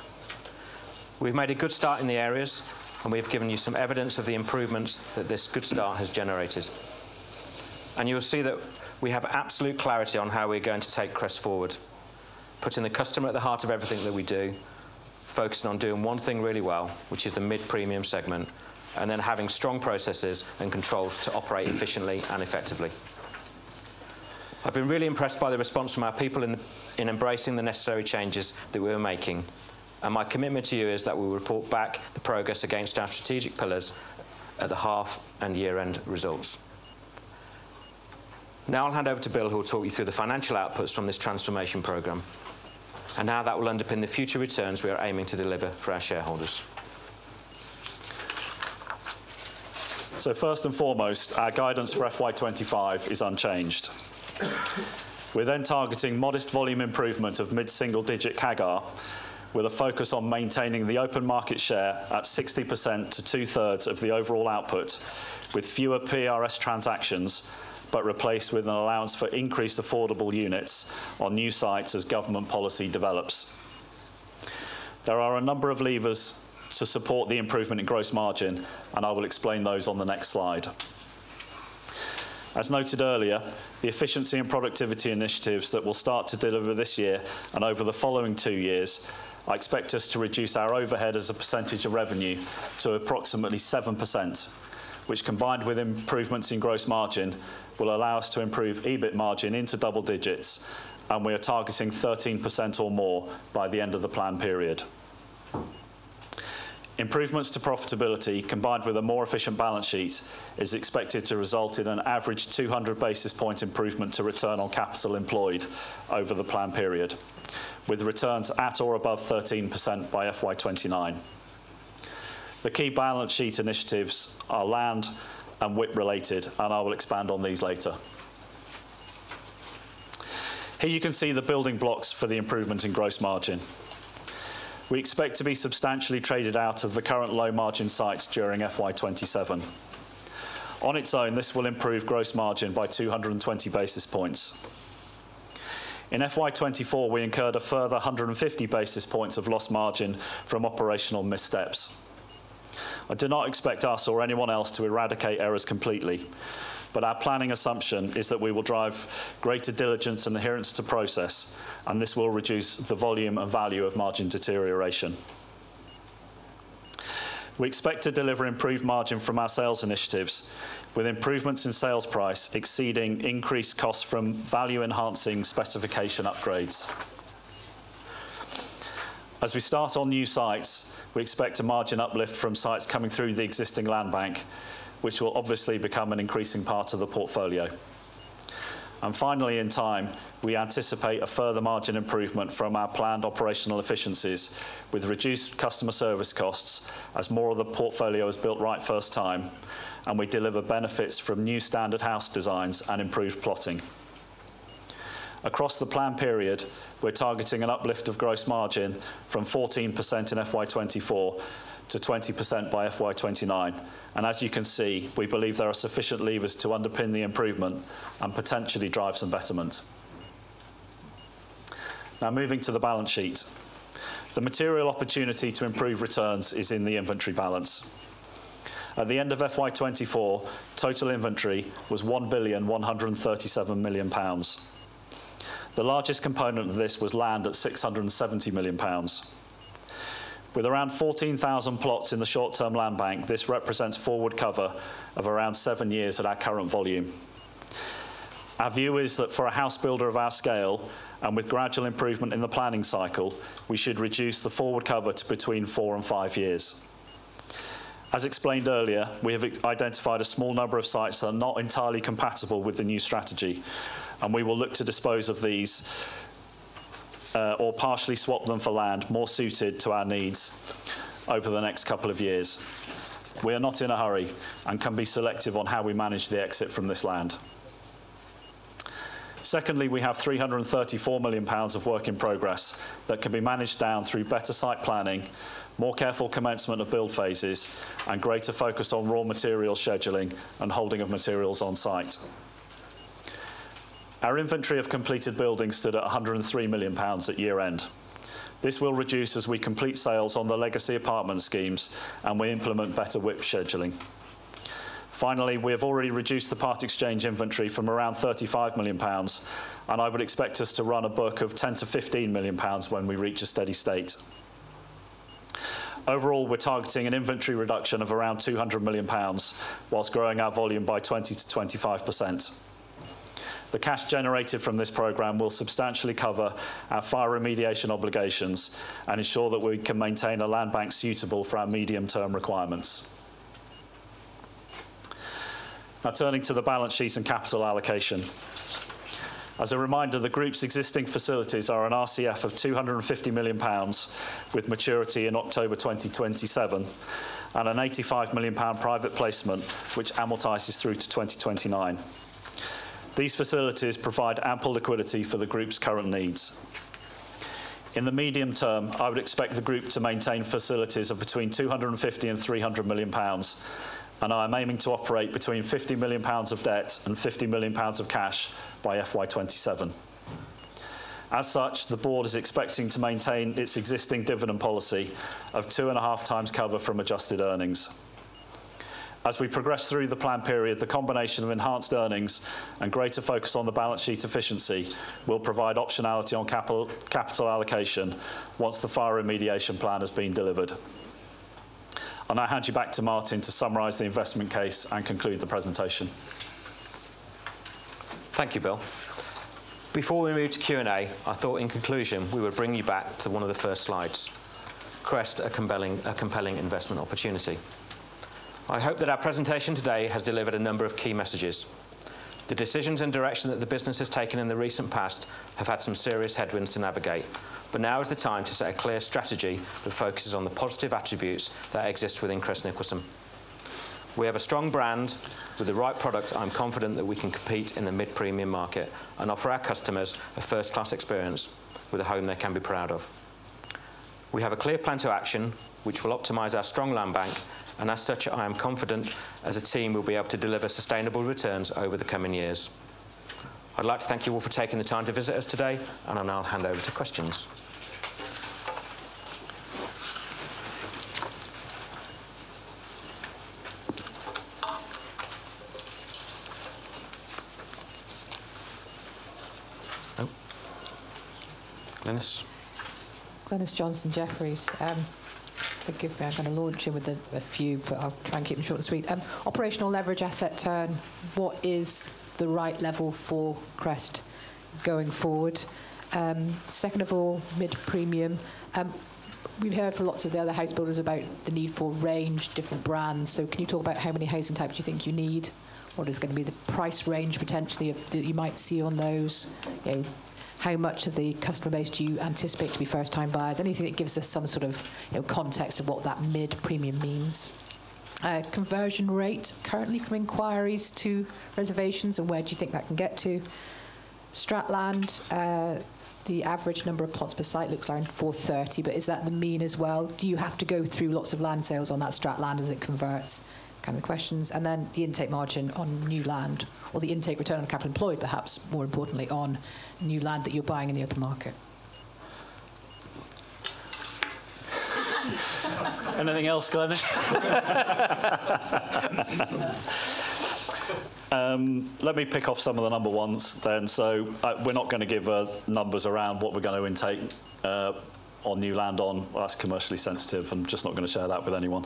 We've made a good start in the areas, and we have given you some evidence of the improvements that this good start has generated. You will see that we have absolute clarity on how we are going to take Crest Nicholson forward, putting the customer at the heart of everything that we do, focusing on doing one thing really well, which is the mid-premium segment, and then having strong processes and controls to operate efficiently and effectively. I've been really impressed by the response from our people in embracing the necessary changes that we are making. My commitment to you is that we will report back the progress against our strategic pillars at the half and year end results. Now I will hand over to Bill, who will talk you through the financial outputs from this transformation program and how that will underpin the future returns we are aiming to deliver for our shareholders. First and foremost, our guidance for FY 2025 is unchanged. We are targeting modest volume improvement of mid single-digit CAGR with a focus on maintaining the open market share at 60% to 2/3 of the overall output with fewer PRS transactions, but replaced with an allowance for increased affordable units on new sites as government policy develops. There are a number of levers to support the improvement in gross margin, and I will explain those on the next slide. As noted earlier, the efficiency and productivity initiatives that will start to deliver this year and over the following two years, I expect us to reduce our overhead as a percentage of revenue to approximately 7%, which combined with improvements in gross margin, will allow us to improve EBIT margin into double digits. We are targeting 13% or more by the end of the plan period. Improvements to profitability combined with a more efficient balance sheet is expected to result in an average 200 basis point improvement to return on capital employed over the plan period with returns at or above 13% by FY 2029. The key balance sheet initiatives are land and WIP related, and I will expand on these later. Here you can see the building blocks for the improvement in gross margin. We expect to be substantially traded out of the current low margin sites during FY 2027. On its own, this will improve gross margin by 220 basis points. In FY 2024, we incurred a further 150 basis points of lost margin from operational missteps. I do not expect us or anyone else to eradicate errors completely, but our planning assumption is that we will drive greater diligence and adherence to process, and this will reduce the volume and value of margin deterioration. We expect to deliver improved margin from our sales initiatives, with improvements in sales price exceeding increased costs from value enhancing specification upgrades. As we start on new sites, we expect a margin uplift from sites coming through the existing land bank, which will obviously become an increasing part of the portfolio. Finally, in time, we anticipate a further margin improvement from our planned operational efficiencies with reduced customer service costs as more of the portfolio is built right first time and we deliver benefits from new standard house designs and improved plotting. Across the plan period, we're targeting an uplift of gross margin from 14% in FY 2024-20% by FY 2029. As you can see, we believe there are sufficient levers to underpin the improvement and potentially drive some betterment. Now moving to the balance sheet. The material opportunity to improve returns is in the inventory balance. At the end of FY 2024, total inventory was 1.137 billion. The largest component of this was land at 670 million pounds. With around 14,000 plots in the short term land bank, this represents forward cover of around seven years at our current volume. Our view is that for a house builder of our scale and with gradual improvement in the planning cycle, we should reduce the forward cover to between four and five years. As explained earlier, we have identified a small number of sites that are not entirely compatible with the new strategy, and we will look to dispose of these or partially swap them for land more suited to our needs over the next couple of years. We are not in a hurry and can be selective on how we manage the exit from this land. Secondly, we have 334 million pounds of work in progress that can be managed down through better site planning, more careful commencement of build phases, and greater focus on raw material scheduling and holding of materials on site. Our inventory of completed buildings stood at 103 million pounds at year end. This will reduce as we complete sales on the legacy apartment schemes and we implement better WIP scheduling. Finally, we have already reduced the part exchange inventory from around 35 million pounds, and I would expect us to run a book of 10 million-15 million pounds when we reach a steady state. Overall, we're targeting an inventory reduction of around 200 million pounds whilst growing our volume by 20%-25%. The cash generated from this program will substantially cover our fire remediation obligations and ensure that we can maintain a land bank suitable for our medium term requirements. Now turning to the balance sheet and capital allocation. As a reminder, the group's existing facilities are an RCF of 250 million pounds with maturity in October 2027 and a 85 million pound private placement which amortizes through to 2029. These facilities provide ample liquidity for the group's current needs. In the medium term, I would expect the group to maintain facilities of between 250 million and 300 million pounds, and I am aiming to operate between 50 million pounds of debt and 50 million pounds of cash by FY 2027. As such, the board is expecting to maintain its existing dividend policy of 2.5x cover from adjusted earnings. As we progress through the plan period, the combination of enhanced earnings and greater focus on the balance sheet efficiency will provide optionality on capital allocation once the fire remediation plan has been delivered. I'll now hand you back to Martyn to summarize the investment case and conclude the presentation. Thank you, Bill. Before we move to Q&A, I thought in conclusion, we would bring you back to one of the first slides. Crest, a compelling investment opportunity. I hope that our presentation today has delivered a number of key messages. The decisions and direction that the business has taken in the recent past have had some serious headwinds to navigate. Now is the time to set a clear strategy that focuses on the positive attributes that exist within Crest Nicholson. We have a strong brand. With the right product, I'm confident that we can compete in the mid-premium market and offer our customers a first-class experience with a home they can be proud of. We have a clear plan to action, which will optimize our strong land bank. As such, I am confident as a team we'll be able to deliver sustainable returns over the coming years. I'd like to thank you all for taking the time to visit us today, and I'll now hand over to questions. Glynis. Glynis Johnson, Jefferies. Forgive me, I'm gonna launch you with a few, but I'll try and keep them short and sweet. Operational leverage asset turn, what is the right level for Crest going forward? Second of all, mid-premium. We've heard from lots of the other house builders about the need for range, different brands. Can you talk about how many housing types you think you need? What is gonna be the price range potentially that you might see on those? You know, how much of the customer base do you anticipate to be first time buyers? Anything that gives us some sort of, you know, context of what that mid-premium means? Conversion rate currently from inquiries to reservations and where do you think that can get to? Strat Land, the average number of plots per site looks around 430, but is that the mean as well? Do you have to go through lots of land sales on that Strat land as it converts? Kind of questions. Then the intake margin on new land or the intake return on capital employed, perhaps more importantly, on new land that you're buying in the open market. Anything else, Glynis? Let me pick off some of the number ones then. We're not gonna give numbers around what we're gonna intake on new land on. That's commercially sensitive. I'm just not gonna share that with anyone.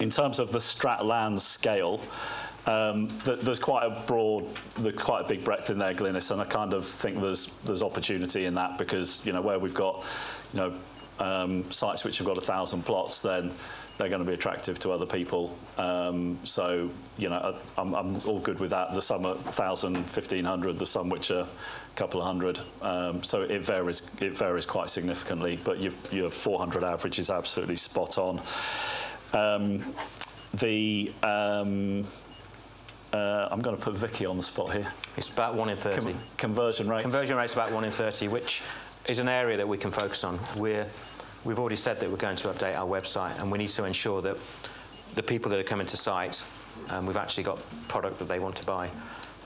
In terms of the Strat Land scale, there's quite a big breadth in there, Glynis, and I kind of think there's opportunity in that because, you know, where we've got, you know, sites which have got 1,000 plots, then they're gonna be attractive to other people. You know, I'm all good with that. There's some are 1,000, 1,500. There's some which are 200. It varies quite significantly. Your 400 average is absolutely spot on. I'm gonna put Vicky on the spot here. It's about one in 30. Conversion rates. Conversion rate's about one in 30, which is an area that we can focus on. We've already said that we're going to update our website. We need to ensure that the people that are coming to site, we've actually got product that they want to buy,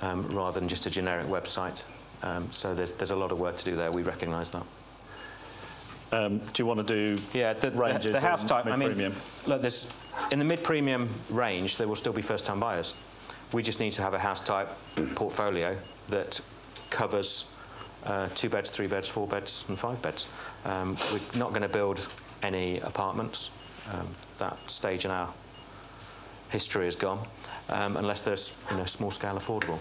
rather than just a generic website. There's a lot of work to do there. We recognize that. Um, do you wanna do- Yeah. Ranges or mid-premium? The house type. I mean, look, there's. In the mid-premium range, there will still be first-time buyers. We just need to have a house type portfolio that covers two beds, three beds, four beds, and five beds. We're not gonna build any apartments. That stage in our history is gone, unless there's, you know, small scale affordable.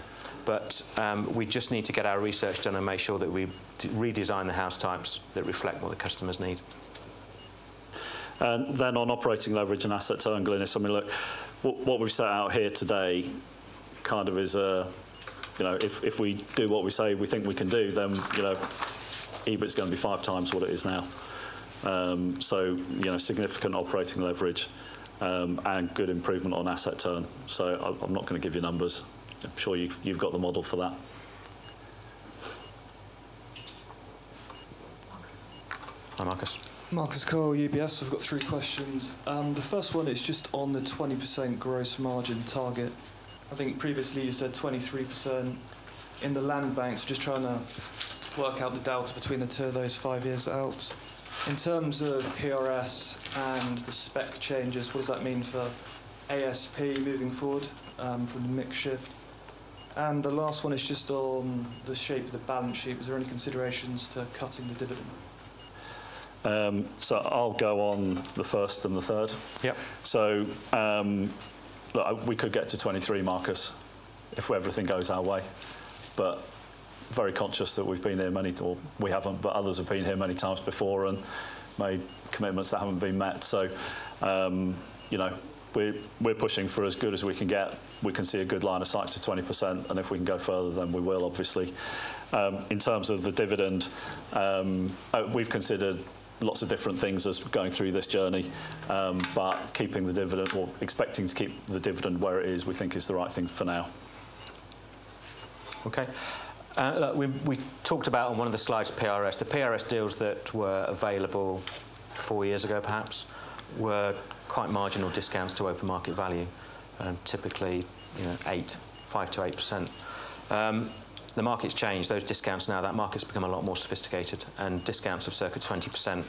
We just need to get our research done and make sure that we redesign the house types that reflect what the customers need. On operating leverage and asset turn, Glynis, I mean, look, what we've set out here today kind of is a, you know, if we do what we say we think we can do, then, you know, EBIT's gonna be 5x what it is now. You know, significant operating leverage and good improvement on asset turn. I'm not gonna give you numbers. I'm sure you've got the model for that. Marcus. Hi, Marcus. Marcus Cole, UBS. I've got three questions. The first one is just on the 20% gross margin target. I think previously you said 23% in the land banks. Just trying to work out the delta between the two of those five years out. In terms of PRS and the spec changes, what does that mean for ASP moving forward from the mix shift? The last one is just on the shape of the balance sheet. Was there any considerations to cutting the dividend? I'll go on the first and the third. Yep. Look, we could get to 23, Marcus, if everything goes our way. Very conscious that we've been here, or we haven't, but others have been here many times before and made commitments that haven't been met. You know, we're pushing for as good as we can get. We can see a good line of sight to 20%, and if we can go further, then we will, obviously. In terms of the dividend, we've considered lots of different things as we're going through this journey. Keeping the dividend or expecting to keep the dividend where it is, we think is the right thing for now. Look, we talked about on one of the slides PRS. The PRS deals that were available four years ago perhaps, were quite marginal discounts to open market value. Typically, you know, 5%-8%. The market's changed. Those discounts now, that market's become a lot more sophisticated, and discounts of circa 20%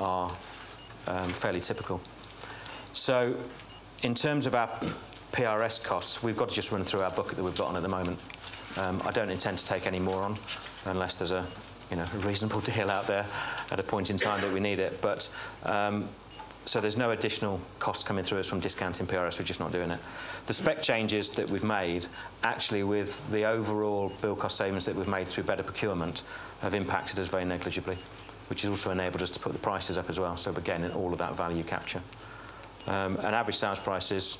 are fairly typical. In terms of our PRS costs, we've got to just run through our book that we've got on at the moment. I don't intend to take any more on unless there's a, you know, reasonable deal out there at a point in time that we need it. There's no additional cost coming through us from discounting PRS. We're just not doing it. The spec changes that we've made, actually with the overall build cost savings that we've made through better procurement, have impacted us very negligibly, which has also enabled us to put the prices up as well. Again, in all of that value capture. Average sales prices,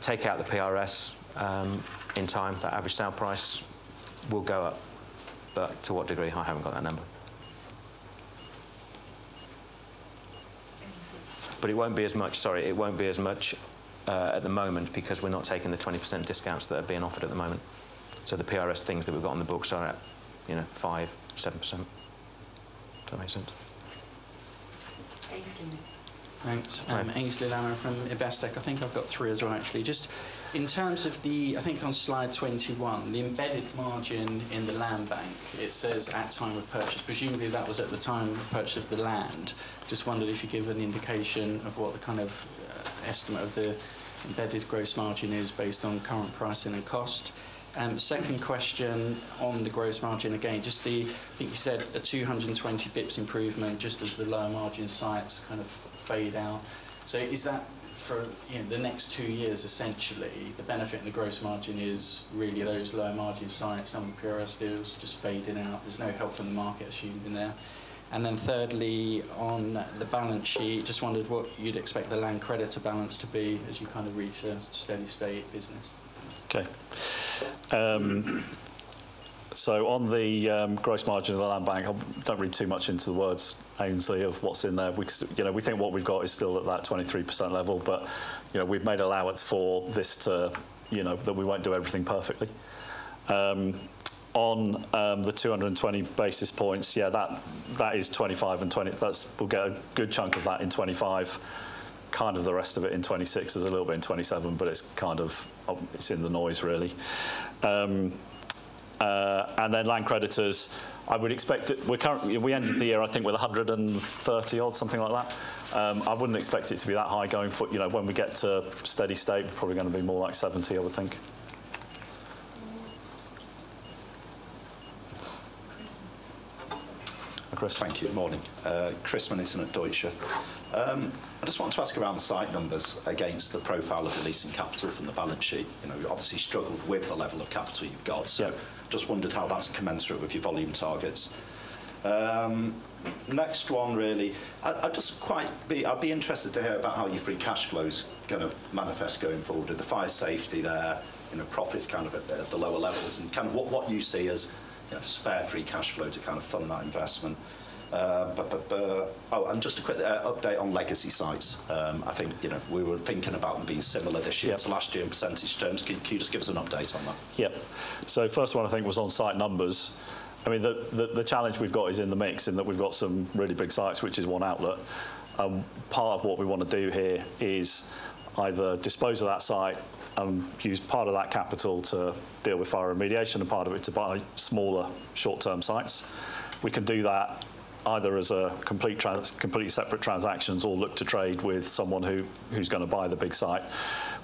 take out the PRS. In time, that average sale price will go up. To what degree? I haven't got that number. Aynsley. It won't be as much. Sorry. It won't be as much at the moment because we're not taking the 20% discounts that are being offered at the moment. The PRS things that we've got on the books are at, you know, 5%, 7%. Does that make sense? Aynsley Lammin. Thanks. Hi. Aynsley Lammin from Investec. I think I've got three as well, actually. Just in terms of the, I think on slide 21, the embedded margin in the land bank, it says at time of purchase. Presumably, that was at the time of purchase of the land. Just wondered if you could give an indication of what the kind of estimate of the embedded gross margin is based on current pricing and cost. Second question on the gross margin, again, just the I think you said a 220 bps improvement just as the lower margin sites kind of fade out. Is that for, you know, the next two years, essentially, the benefit in the gross margin is really those lower margin sites, some of the PRS deals just fading out? There's no help from the market, assuming, there. Thirdly, on the balance sheet, just wondered what you'd expect the land creditor balance to be as you kind of reach a steady state business. Okay. On the gross margin of the land bank, don't read too much into the words, obviously, of what's in there. We think what we've got is still at that 23% level, but, you know, we've made allowance for this to, you know, that we won't do everything perfectly. On the 220 basis points, yeah, that is 25 and 20. We'll get a good chunk of that in 2025, kind of the rest of it in 2026. There's a little bit in 2027, but it's kind of it's in the noise, really. Land creditors, We ended the year, I think, with 130 odd, something like that. I wouldn't expect it to be that high. You know, when we get to steady state, probably gonna be more like 70 I would think. Chris. Chris. Thank you. Morning. Chris Millington at Deutsche. I just wanted to ask around the site numbers against the profile of the leasing capital from the balance sheet. You know, you obviously struggled with the level of capital you've got. Yeah. Just wondered how that's commensurate with your volume targets. Next one, really. I'd be interested to hear about how your free cash flows gonna manifest going forward. With the fire safety there, you know, profits kind of at the lower levels and kind of what you see as, you know, spare free cash flow to kind of fund that investment. Oh, and just a quick update on legacy sites. I think, you know, we were thinking about them being similar this year. Yeah To last year in percentage terms. Can you just give us an update on that? Yeah. First one I think was on site numbers. I mean, the challenge we've got is in the mix, in that we've got some really big sites, which is one outlook. Part of what we wanna do here is either dispose of that site and use part of that capital to deal with fire remediation and part of it to buy smaller short-term sites. We can do that either as a complete completely separate transactions or look to trade with someone who's gonna buy the big site.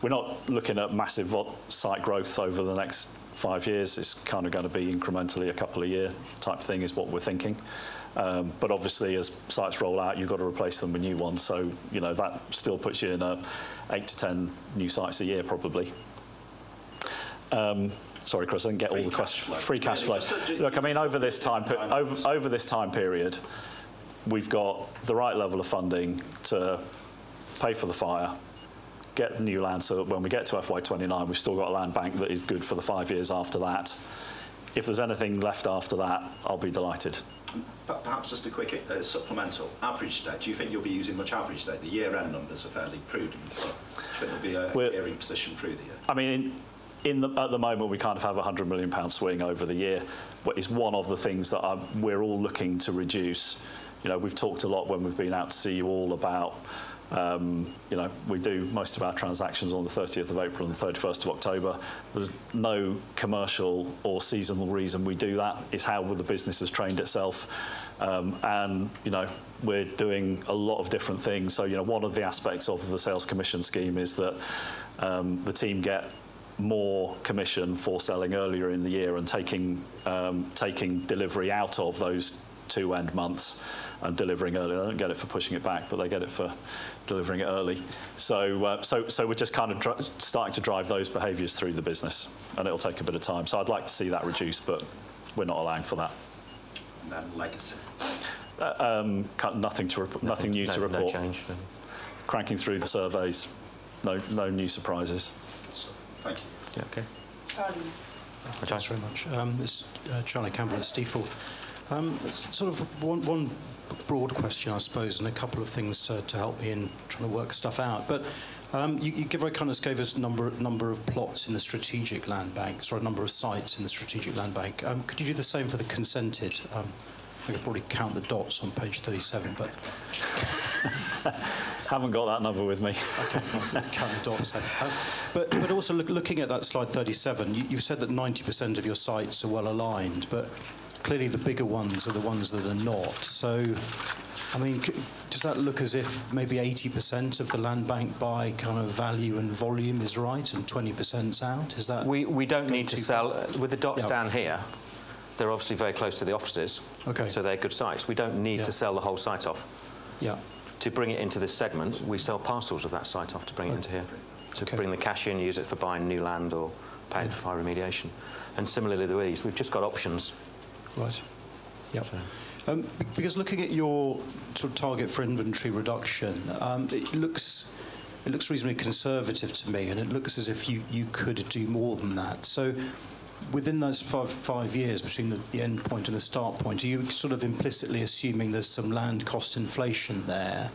We're not looking at massive site growth over the next five years. It's kinda gonna be incrementally a couple of year type thing is what we're thinking. Obviously as sites roll out, you've gotta replace them with new ones, so, you know, that still puts you in a 8-10 new sites a year probably. Sorry, Chris, I didn't get all the. Free cash flow. Free cash flow. Yeah. It's, Look, I mean, over this time. Over this time Over this time period, we've got the right level of funding to pay for the fire, get the new land so that when we get to FY 2029, we've still got a land bank that is good for the five years after that. If there's anything left after that, I'll be delighted. Perhaps just a quick supplemental. Average debt. Do you think you'll be using much average debt? The year-end numbers are fairly prudent, so shouldn't be a varying position through the year. I mean, at the moment, we kind of have a 100 million pound swing over the year. It's one of the things that we're all looking to reduce. You know, we've talked a lot when we've been out to see you all about, you know, we do most of our transactions on the 30th of April and the 31st of October. There's no commercial or seasonal reason we do that. It's how well the business has trained itself. You know, we're doing a lot of different things. You know, one of the aspects of the sales commission scheme is that the team get more commission for selling earlier in the year and taking delivery out of those two end months and delivering earlier. They don't get it for pushing it back, but they get it for delivering it early. We're just kind of starting to drive those behaviors through the business, and it'll take a bit of time. I'd like to see that reduced, but we're not allowing for that. Legacy? kind of nothing to report. Nothing new to report. No, no change then? Cranking through the surveys. No, no new surprises. Awesome. Thank you. Yeah. Okay. Charlie. Thanks. Thanks very much. It's Charlie Campbell at Stifel. Sort of one broad question, I suppose, and a couple of things to help me in trying to work stuff out. You gave, or kind of just gave us the number of plots in the strategic land banks or a number of sites in the strategic land bank. Could you do the same for the consented? I could probably count the dots on page 37. Haven't got that number with me. Okay. Count the dots. Also looking at that slide 37, you've said that 90% of your sites are well aligned, clearly the bigger ones are the ones that are not. I mean, does that look as if maybe 80% of the land bank by kind of value and volume is right and 20% is out? Is that? We don't need to. Yeah. With the dots down here, they're obviously very close to the offices. Okay. They're good sites. Yeah. We don't need to sell the whole site off. Yeah To bring it into this segment. We sell parcels of that site off to bring it into here. Okay. To bring the cash in, use it for buying new land or paying for fire remediation. Similarly, the east, we've just got options. Right. Yeah. Fair. Because looking at your sort of target for inventory reduction, it looks reasonably conservative to me, and it looks as if you could do more than that. Within those five years between the end point and the start point, are you sort of implicitly assuming there's some land cost inflation there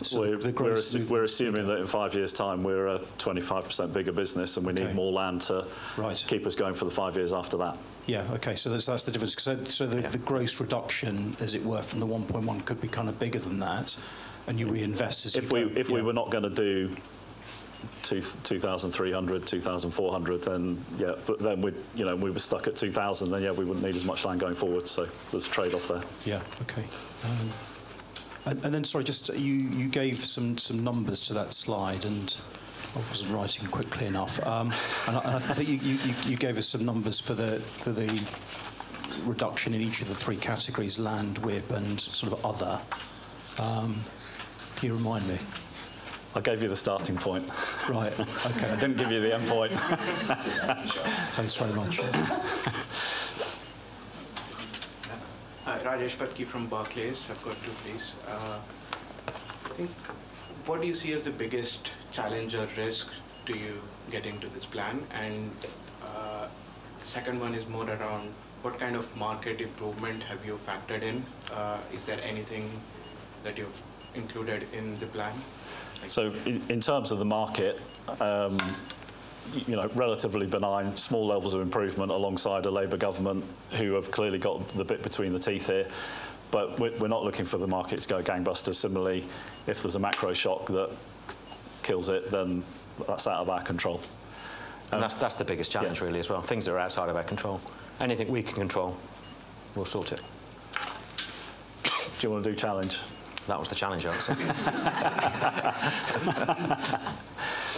with the growth? We're assuming that in five years' time, we're a 25% bigger business. Okay We need more land. Right Keep us going for the five years after that. Yeah. Okay. That's the difference. Yeah The gross reduction, as it were, from the 1.1 could be kinda bigger than that, and you reinvest as you go. Yeah. If we were not gonna do 2,300, 2,400, yeah. We'd, you know, we'd be stuck at 2,000, yeah, we wouldn't need as much land going forward. There's a trade-off there. Yeah. Okay. Then, sorry, just you gave some numbers to that slide, and I wasn't writing quickly enough. I think you gave us some numbers for the reduction in each of the three categories, land, WIP, and sort of other. Can you remind me? I gave you the starting point. Right. Okay. I didn't give you the end point. Thanks very much. Rajesh Patki from Barclays. I've got two, please. I think, what do you see as the biggest challenge or risk to you getting to this plan? The second one is more around what kind of market improvement have you factored in? Is there anything that you've included in the plan? Thank you. In terms of the market, you know, relatively benign, small levels of improvement alongside a Labour government who have clearly got the bit between the teeth here. We're not looking for the market to go gangbusters. Similarly, if there's a macro shock that kills it, then that's out of our control. That's the biggest challenge really as well. Yeah. Things that are outside of our control. Anything we can control, we'll sort it. Do you wanna do challenge? That was the challenge I would say.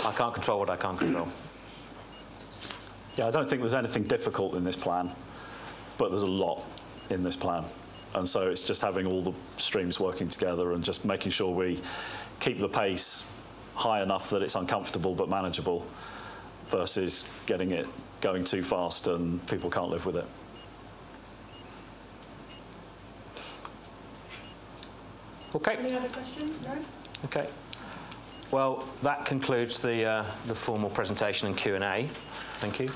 I can't control what I can't control. I don't think there's anything difficult in this plan, but there's a lot in this plan, and so it's just having all the streams working together and just making sure we keep the pace high enough that it's uncomfortable but manageable versus getting it going too fast and people can't live with it. Any other questions? No? Okay. That concludes the formal presentation and Q&A. Thank you.